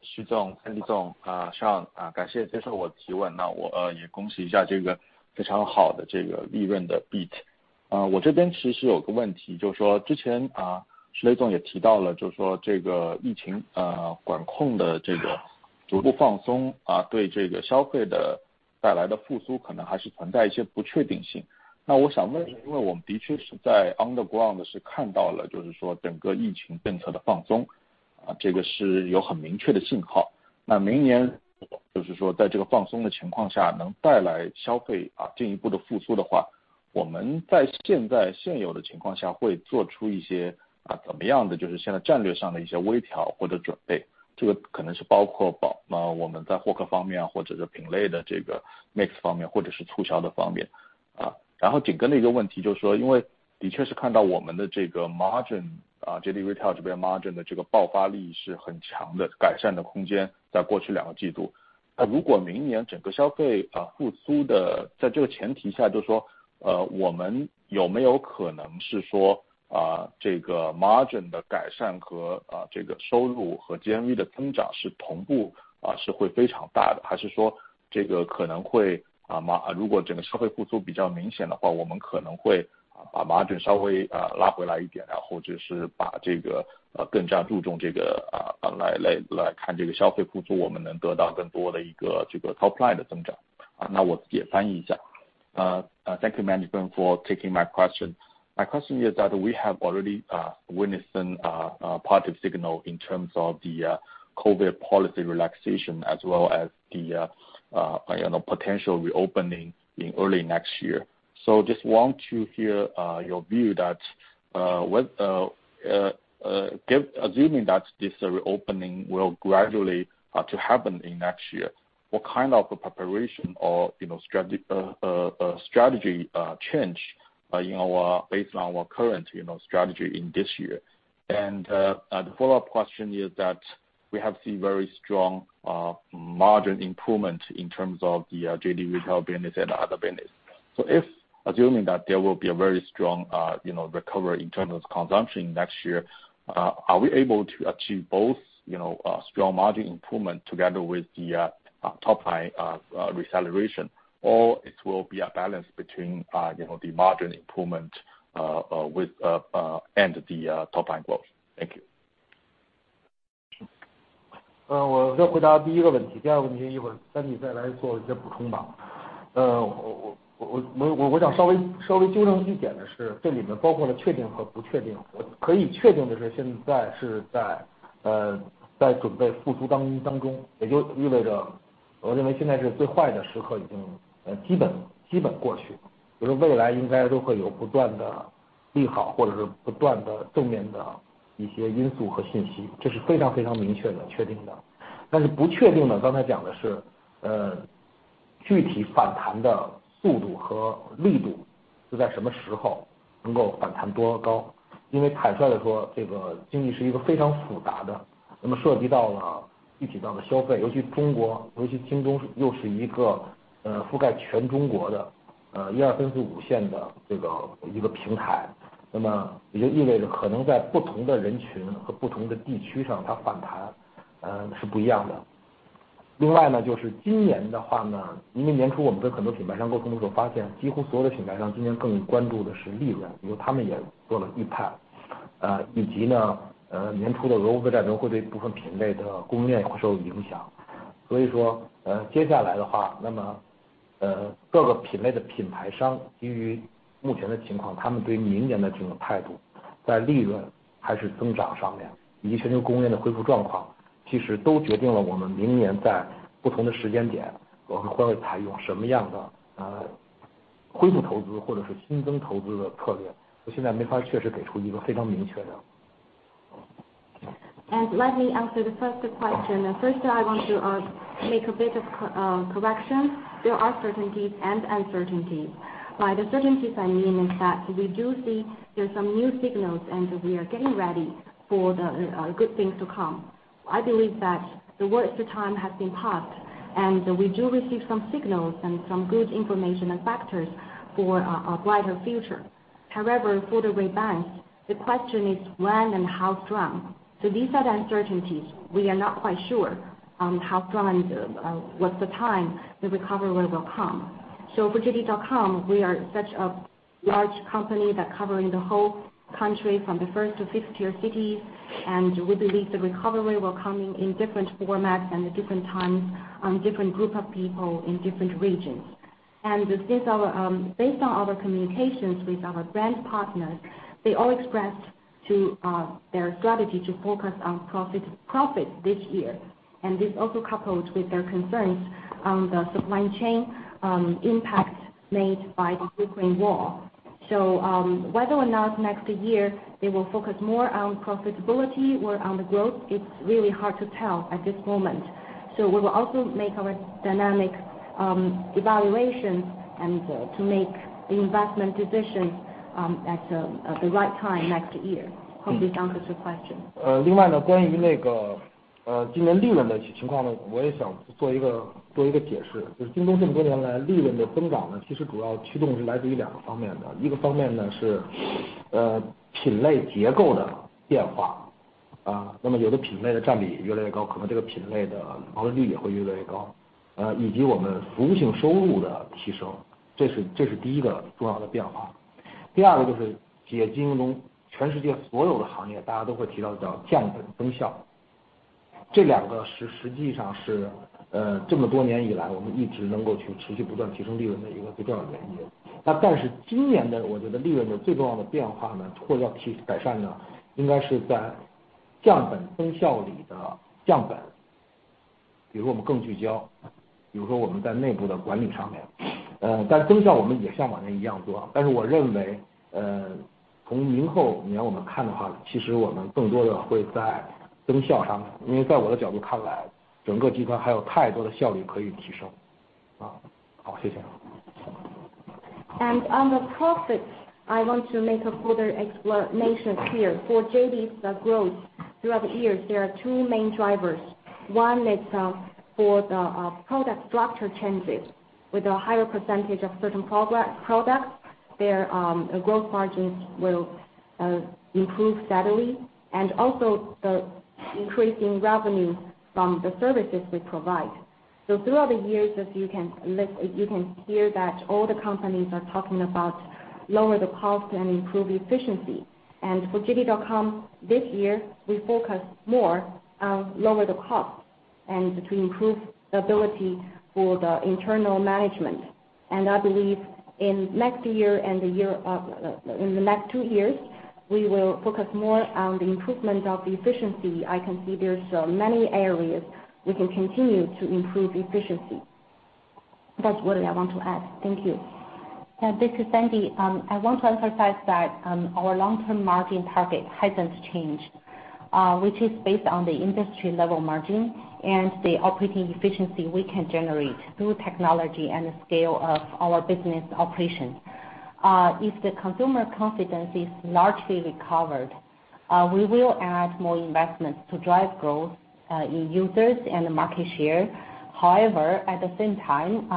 徐总、刘总、Sean，感谢接受我的提问，我也恭喜一下这个非常好的利润的beat。我这边其实有个问题，就是说之前刘总也提到了，就是说这个疫情管控的这个逐步放松，对这个消费带来的复苏可能还是存在一些不确定性。那我想问，因为我们的确是在on the Retail这边margin的这个爆发力是很强的，改善的空间在过去两个季度。那如果明年整个消费复苏在这个前提下，就是说，我们有没有可能是说，这个margin的改善和这个收入和GMV的增长是同步，会非常大的，还是说这个可能会，如果整个消费复苏比较明显的话，我们可能会把margin稍微拉回来一点，然后就是把这个，更加注重这个，来看这个消费复苏，我们能得到更多的一个这个top line的增长。那我自己也翻译一下。Uh, thank you management for taking my question. My question is that we have already witness part of signal in terms of the COVID policy relaxation as well as the, you know, potential reopening in early next year. So, just want to hear your view that, assuming that this reopening will gradually to happen in next year, what kind of preparation or you know, strategy change based on our current, you know, strategy in this year? And the follow-up question is that we have seen very strong margin improvement in terms of the JD Retail business and other business. So if assuming that there will be a very strong, you know, recovery in terms of consumption next year, are we able to achieve both, you know, strong margin improvement together with the top-line acceleration? It will be a balance between, you know, the margin improvement and the top-line growth. Thank you. And let me answer the first question. First I want to make a bit of correction. There are certainties and uncertainties. By the certainties I mean is that we do see there is some new signals and we are getting ready for the good things to come. I believe that the worst time has been passed and we do receive some signals and some good information and factors for a brighter future. However, for the rebound, the question is when and how strong? These are the uncertainties. We are not quite sure what's the time the recovery will come. For JD.com, we are such a large company that covering the whole country from the first to fifth tier cities, and we believe the recovery will coming in different formats and different times on different group of people in different regions. Based on our communications with our brand partners, they all expressed their strategy to focus on profit this year. This also coupled with their concerns on the supply chain impact made by the Ukraine War. Whether or not next year they will focus more on profitability or on the growth, it's really hard to tell at this moment. We will also make our dynamic evaluation and to make investment decisions at the right time next year. Hope this answers your question. On the profit, I want to make a further explanation here. For JD's growth, throughout the years, there are two main drivers. One is for the product structure changes with a higher percentage of certain products, their gross margins will improve steadily, and also the increasing revenue from the services we provide. Throughout the years, as you can hear that all the companies are talking about lower the cost and improve efficiency. And for JD.com this year, we focus more on lower the cost and to improve the ability for the internal management. And I believe in next year and the next two years, we will focus more on the improvement of efficiency. I can see there are so many areas we can continue to improve efficiency. That's what I want to add. Thank you. This is Sandy. I want to emphasize that our long-term margin target hasn't changed, which is based on the industry-level margin and the operating efficiency we can generate through technology and the scale of our business operations. If the consumer confidence is largely recovered, we will add more investments to drive growth in users and market share. However, at the same time,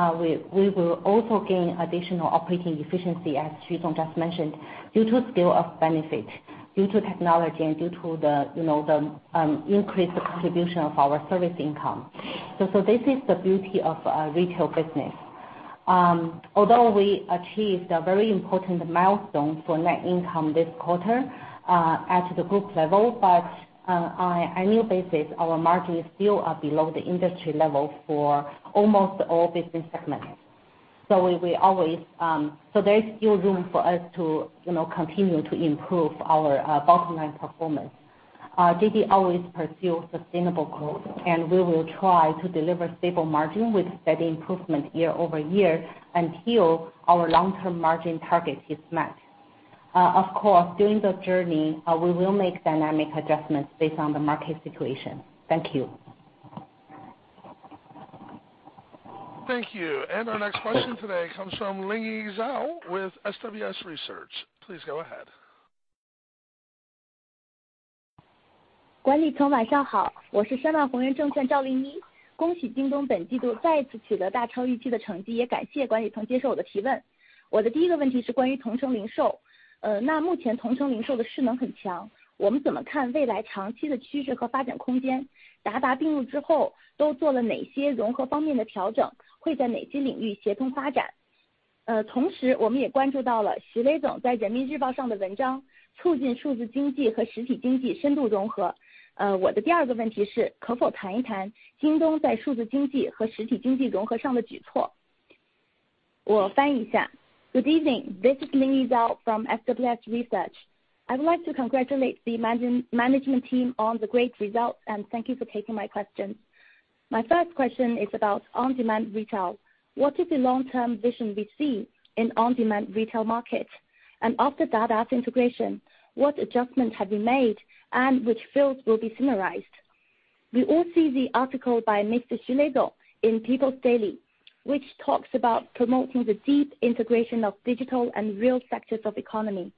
we will also gain additional operating efficiency, as Xu Lei just mentioned, due to scale of benefit, due to technology, and due to the, you know, increased contribution of our service income. So this is the beauty of our retail business. Although we achieved a very important milestone for net income this quarter at the group level, but on an annual basis, our margin is still below the industry level for almost all business segments. There is still room for us to, you know, continue to improve our bottom-line performance. JD always pursue sustainable growth, and we will try to deliver stable margin with steady improvement year-over-year until our long-term margin target is met. Of course, during the journey, we will make dynamic adjustments based on the market situation. Thank you. Thank you. Our next question today comes from Lingyi Zhao with SWS Research. Please go ahead. 翻译一下。Good evening. This is Lingyi Zhao from SWS Research. I would like to congratulate the Management team on the great results, and thank you for taking my questions. My first question is about on-demand retail. What is the long-term vision we see in on-demand retail market? After Dada integration, what adjustments have been made and which fields will be summarized? We all see the article by Mr. Xu Lei in People's Daily, which talks about promoting the deep integration of digital and real sectors of economy.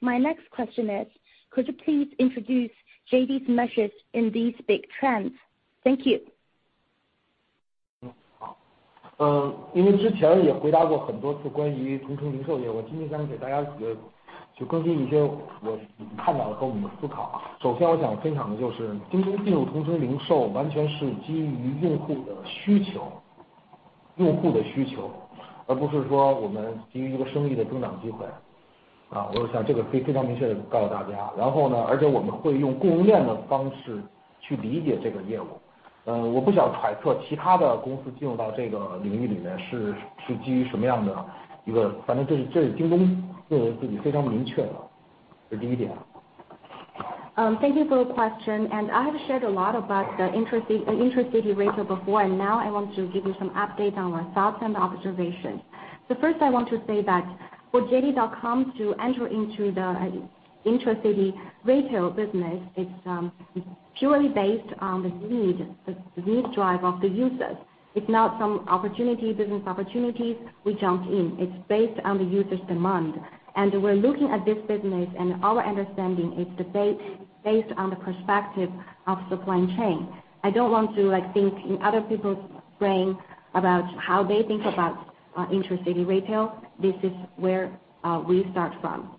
My next question is, could you please introduce JD's measures in these big trends? Thank you. Thank you for the question. I have shared a lot about the intra-city retail before, and now I want to give you some update on our thoughts and observations. The first I want to say that for JD.com to enter into the intra-city retail business is purely based on the need drive of the users. It's not some business opportunities we jumped in. It's based on the users' demand, and we're looking at this business, and our understanding is based on the perspective of supply chain. I don't want to like think in other people's brain about how they think about intra-city retail. This is where we start from.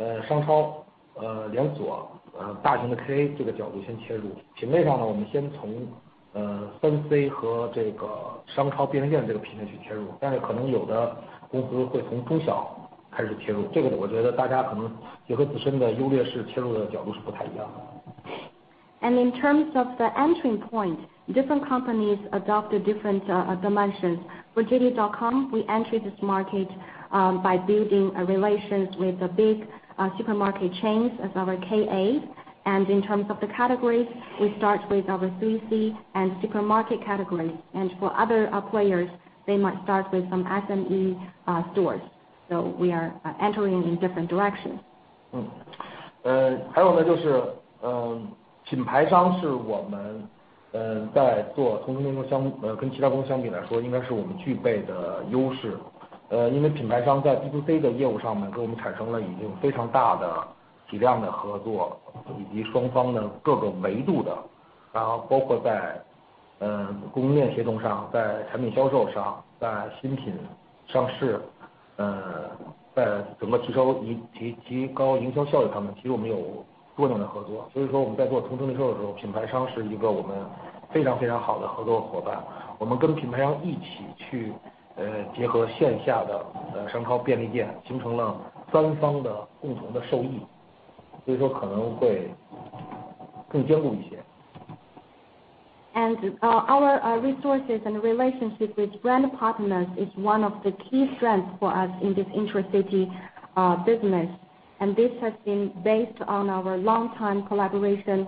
第二个就是我们可能大家切入的维度是不太一样的，比如说我们更多的先从KA的商超、连锁、大型的KA这个角度先切入。品类上呢，我们先从3C和这个商超便利店这个品类去切入，但是可能有的公司会从中小开始切入，这个我觉得大家可能也和自身的优劣势切入的角度是不太一样的。In terms of the entering point, different companies adopted different dimensions. For JD.com, we enter this market by building a relations with the big supermarket chains as our KA. In terms of the categories, we start with our 3C and supermarket categories. For other players, they might start with some SME stores. We are entering in different directions. Our resources and relationship with brand partners is one of the key strengths for us in this intracity business. This has been based on our long time collaboration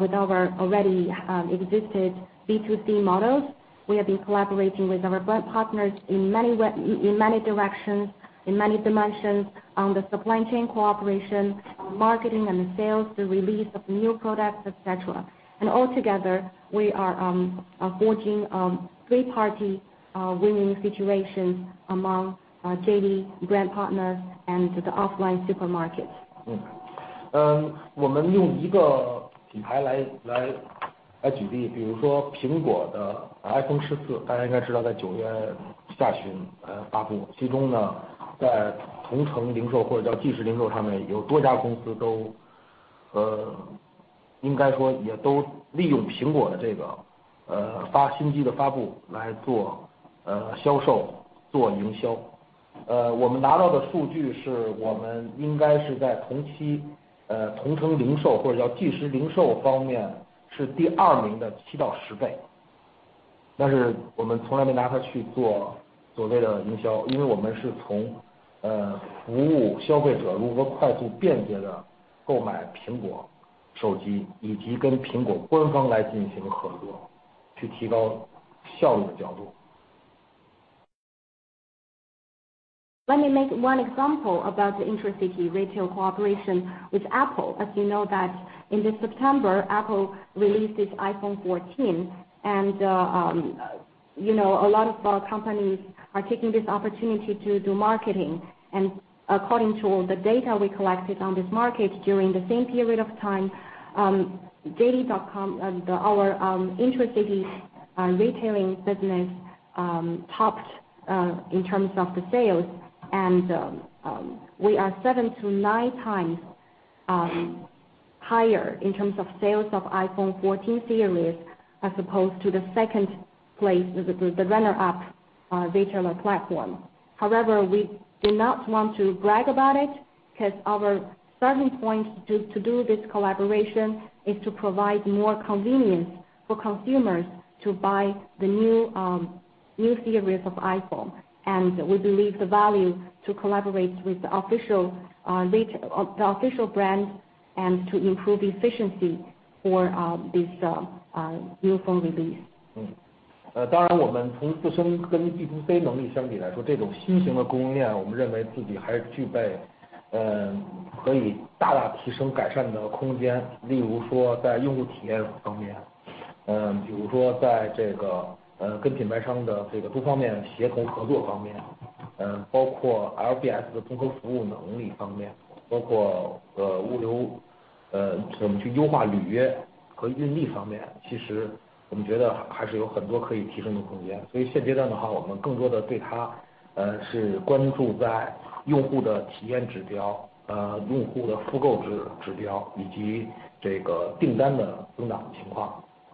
with our already existed B2C models. We have been collaborating with our brand partners in many way, in many directions, in many dimensions on the supply chain cooperation on marketing and sales, the release of new products, etc. Altogether, we are forging three party winning situation among JD brand partners and the offline supermarkets. 我们用一个品牌来举例，比如说苹果的 iPhone Let me make one example about the intracity retail cooperation with Apple. As you know that in this September, Apple released its iPhone 14 and, you know, a lot of companies are taking this opportunity to do marketing. According to all the data we collected on this market during the same period of time, JD.com and our intra-city retailing business topped in terms of the sales and we are seven to nine times higher in terms of sales of iPhone 14 series as opposed to the second place, the runner up retailer platform. However, we do not want to brag about it, because our starting point to do this collaboration is to provide more convenience for consumers to buy the new series of iPhone. We believe the value to collaborate with the official brand and to improve efficiency for this new phone release.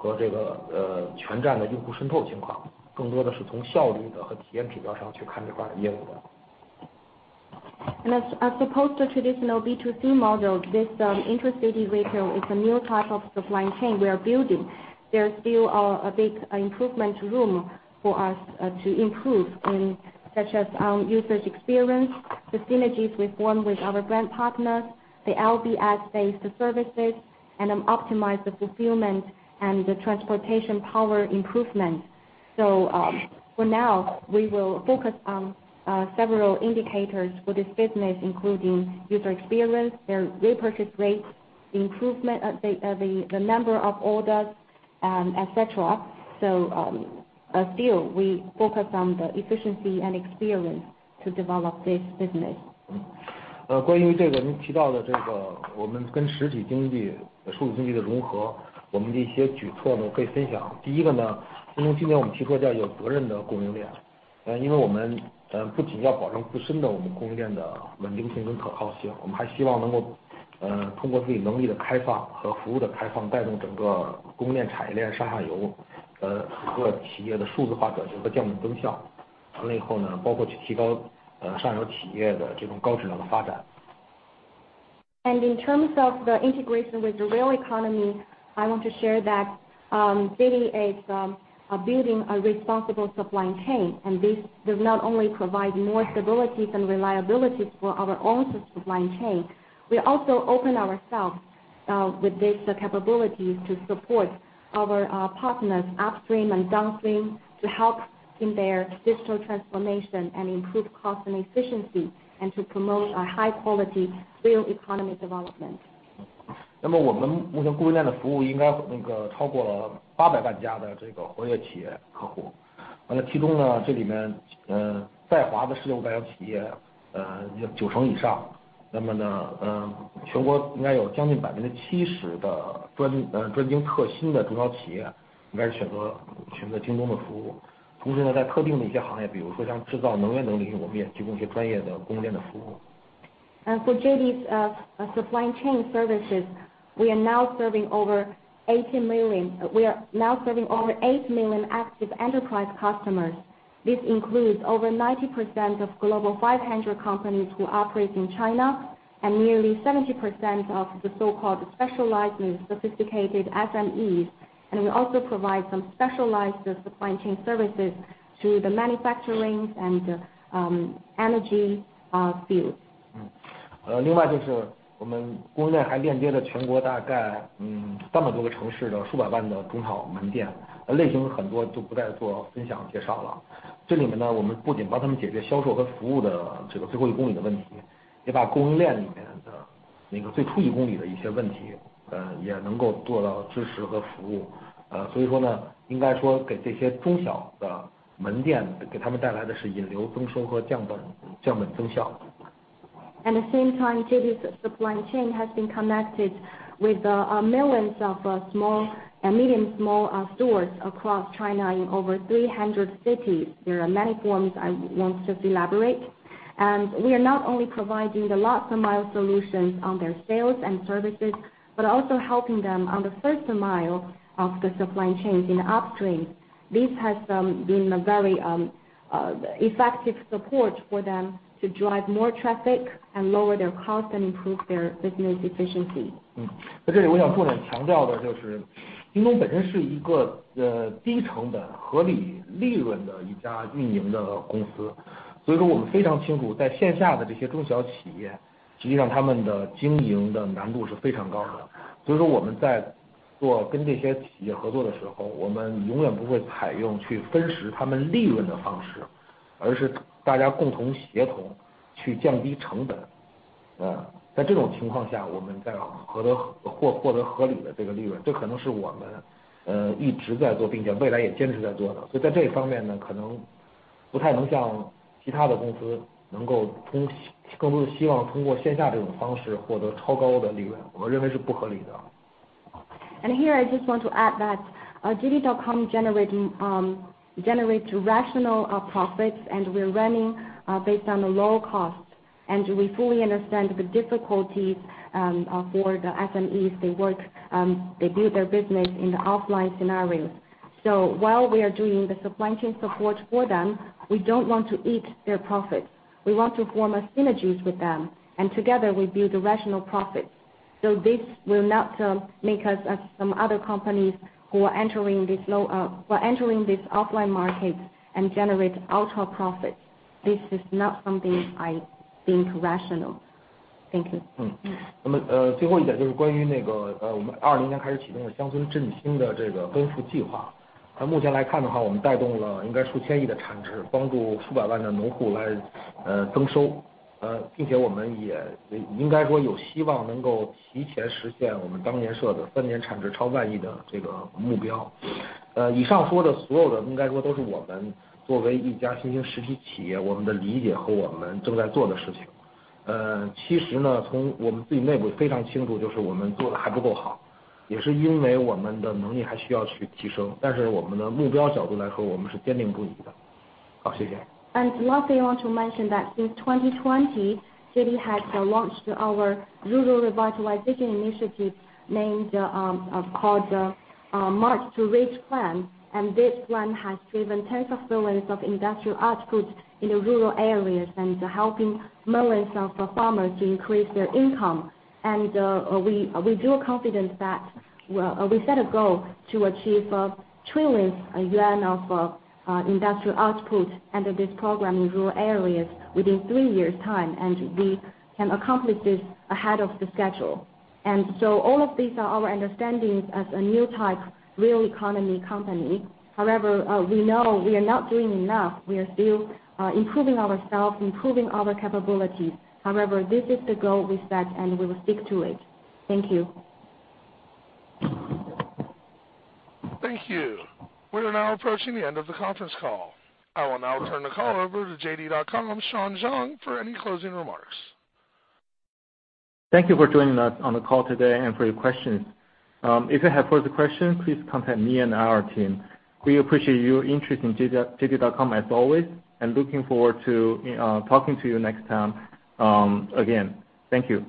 As opposed to traditional B2C model, this intra-city retail is a new type of supply chain we are building. There's still a big improvement room for us to improve in such as users experience, the synergies with our brand partners, the LBS-based services, and optimize the fulfillment and the transportation power improvement. For now, we will focus on several indicators for this business, including user experience, their repurchase rates, improvement of the number of orders, et cetera. Still we focus on the efficiency and experience to develop this business. 关于您提到的我们跟实体经济、数字经济的融合，我们的一些举措，我可以分享。第一个，京东今年我们提出了叫有责任的供应链，因为我们不仅要保证自身的供应链的稳定性跟可靠性，我们还希望能够通过自己能力的开放和服务的开放，带动整个供应链产业链上下游整个企业的数字化转型和降本增效。完了以后，包括去提高上游企业的这种高质量的发展。In terms of the integration with the real economy, I want to share that JD is building a responsible supply chain, and this does not only provide more stability and reliability for our own supply chain. We also open ourselves with this capabilities to support our partners upstream and downstream to help in their digital transformation and improve cost and efficiency, and to promote a high quality real economy development. 那么我们目前供应链的服务应该超过了800万家的活跃企业客户。其中，在华的世界500强企业，就九成以上。全国应该有将近70%的专精特新的中小企业应该选择京东的服务。同时呢，在特定的一些行业，比如说像制造能源等领域，我们也提供一些专业的供应链的服务。For JD's supply chain services, we are now serving over 8 million active enterprise customers. This includes over 90% of Global 500 companies who operate in China and nearly 70% of the so-called specialized and sophisticated SMEs. We also provide some specialized supply chain services to the manufacturing and energy fields. At the same time, JD's supply chain has been connected with millions of small and medium small stores across China in over 300 cities. There are many forms I won't just elaborate. We are not only providing the last-mile solutions on their sales and services, but also helping them on the first mile of the supply chain in upstream. This has been a very effective support for them to drive more traffic and lower their costs and improve their business efficiency. 在这里我想重点强调的就是，京东本身是一个低成本合理利润的一家运营的公司，所以说我们非常清楚，线下的这些中小企业，实际上他们的经营的难度是非常高的。所以说我们在做跟这些企业合作的时候，我们永远不会采用去分食他们利润的方式，而是大家共同协同去降低成本。在这种情况下，我们再获得合理的这个利润，这可能是我们一直在做，并且未来也坚持在做的。所以在这方面呢，可能不太能像其他的公司能够通过更多的希望通过线下这种方式获得超高的利润，我们认为是不合理的。Here I just want to add that JD.com generates rational profits, and we're running based on low cost, and we fully understand the difficulties for the SMEs. They build their business in the offline scenario. While we are doing the supply chain support for them, we don't want to eat their profits. We want to form a synergies with them. Together we build the rational profits. This will not make us as some other companies who are entering this offline market and generate ultra profits. This is not something I think rational. Thank you. 最后一点就是关于我们2020年开始启动的乡村振兴的这个奔赴计划。从目前来看的话，我们带动了应该数千亿的产值，帮助数百万的农户来增收，并且我们也应该说有希望能够提前实现我们当年设的三年产值超万亿的这个目标。以上说的所有的应该说都是我们作为一家新兴实体企业，我们的理解和我们正在做的事情。其实呢，从我们自己内部非常清楚，就是我们做得还不够好，也是因为我们的能力还需要去提升，但是我们的目标角度来说，我们是坚定不移的。好，谢谢。Lastly, I want to mention that since 2020, JD had launched our rural revitalization initiative called March to Rich plan, and this plan has driven tens of billions of industrial output in the rural areas and helping millions of farmers to increase their income. We feel confident that we set a goal to achieve trillions yuan of industrial output under this program in rural areas within three years time, and we can accomplish this ahead of the schedule. All of these are our understandings as a new type real economy company. However, we know we are not doing enough. We are still improving ourselves, improving our capabilities. However, this is the goal we set and we will stick to it. Thank you. Thank you. We are now approaching the end of the conference call. I will now turn the call over to JD.com's Sean Zhang for any closing remarks. Thank you for joining us on the call today and for your questions. If you have further questions, please contact me and our team. We appreciate your interest in JD.com as always and looking forward to talking to you next time again. Thank you.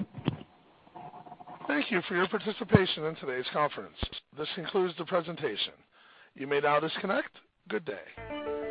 Thank you for your participation in today's conference. This concludes the presentation. You may now disconnect. Good day.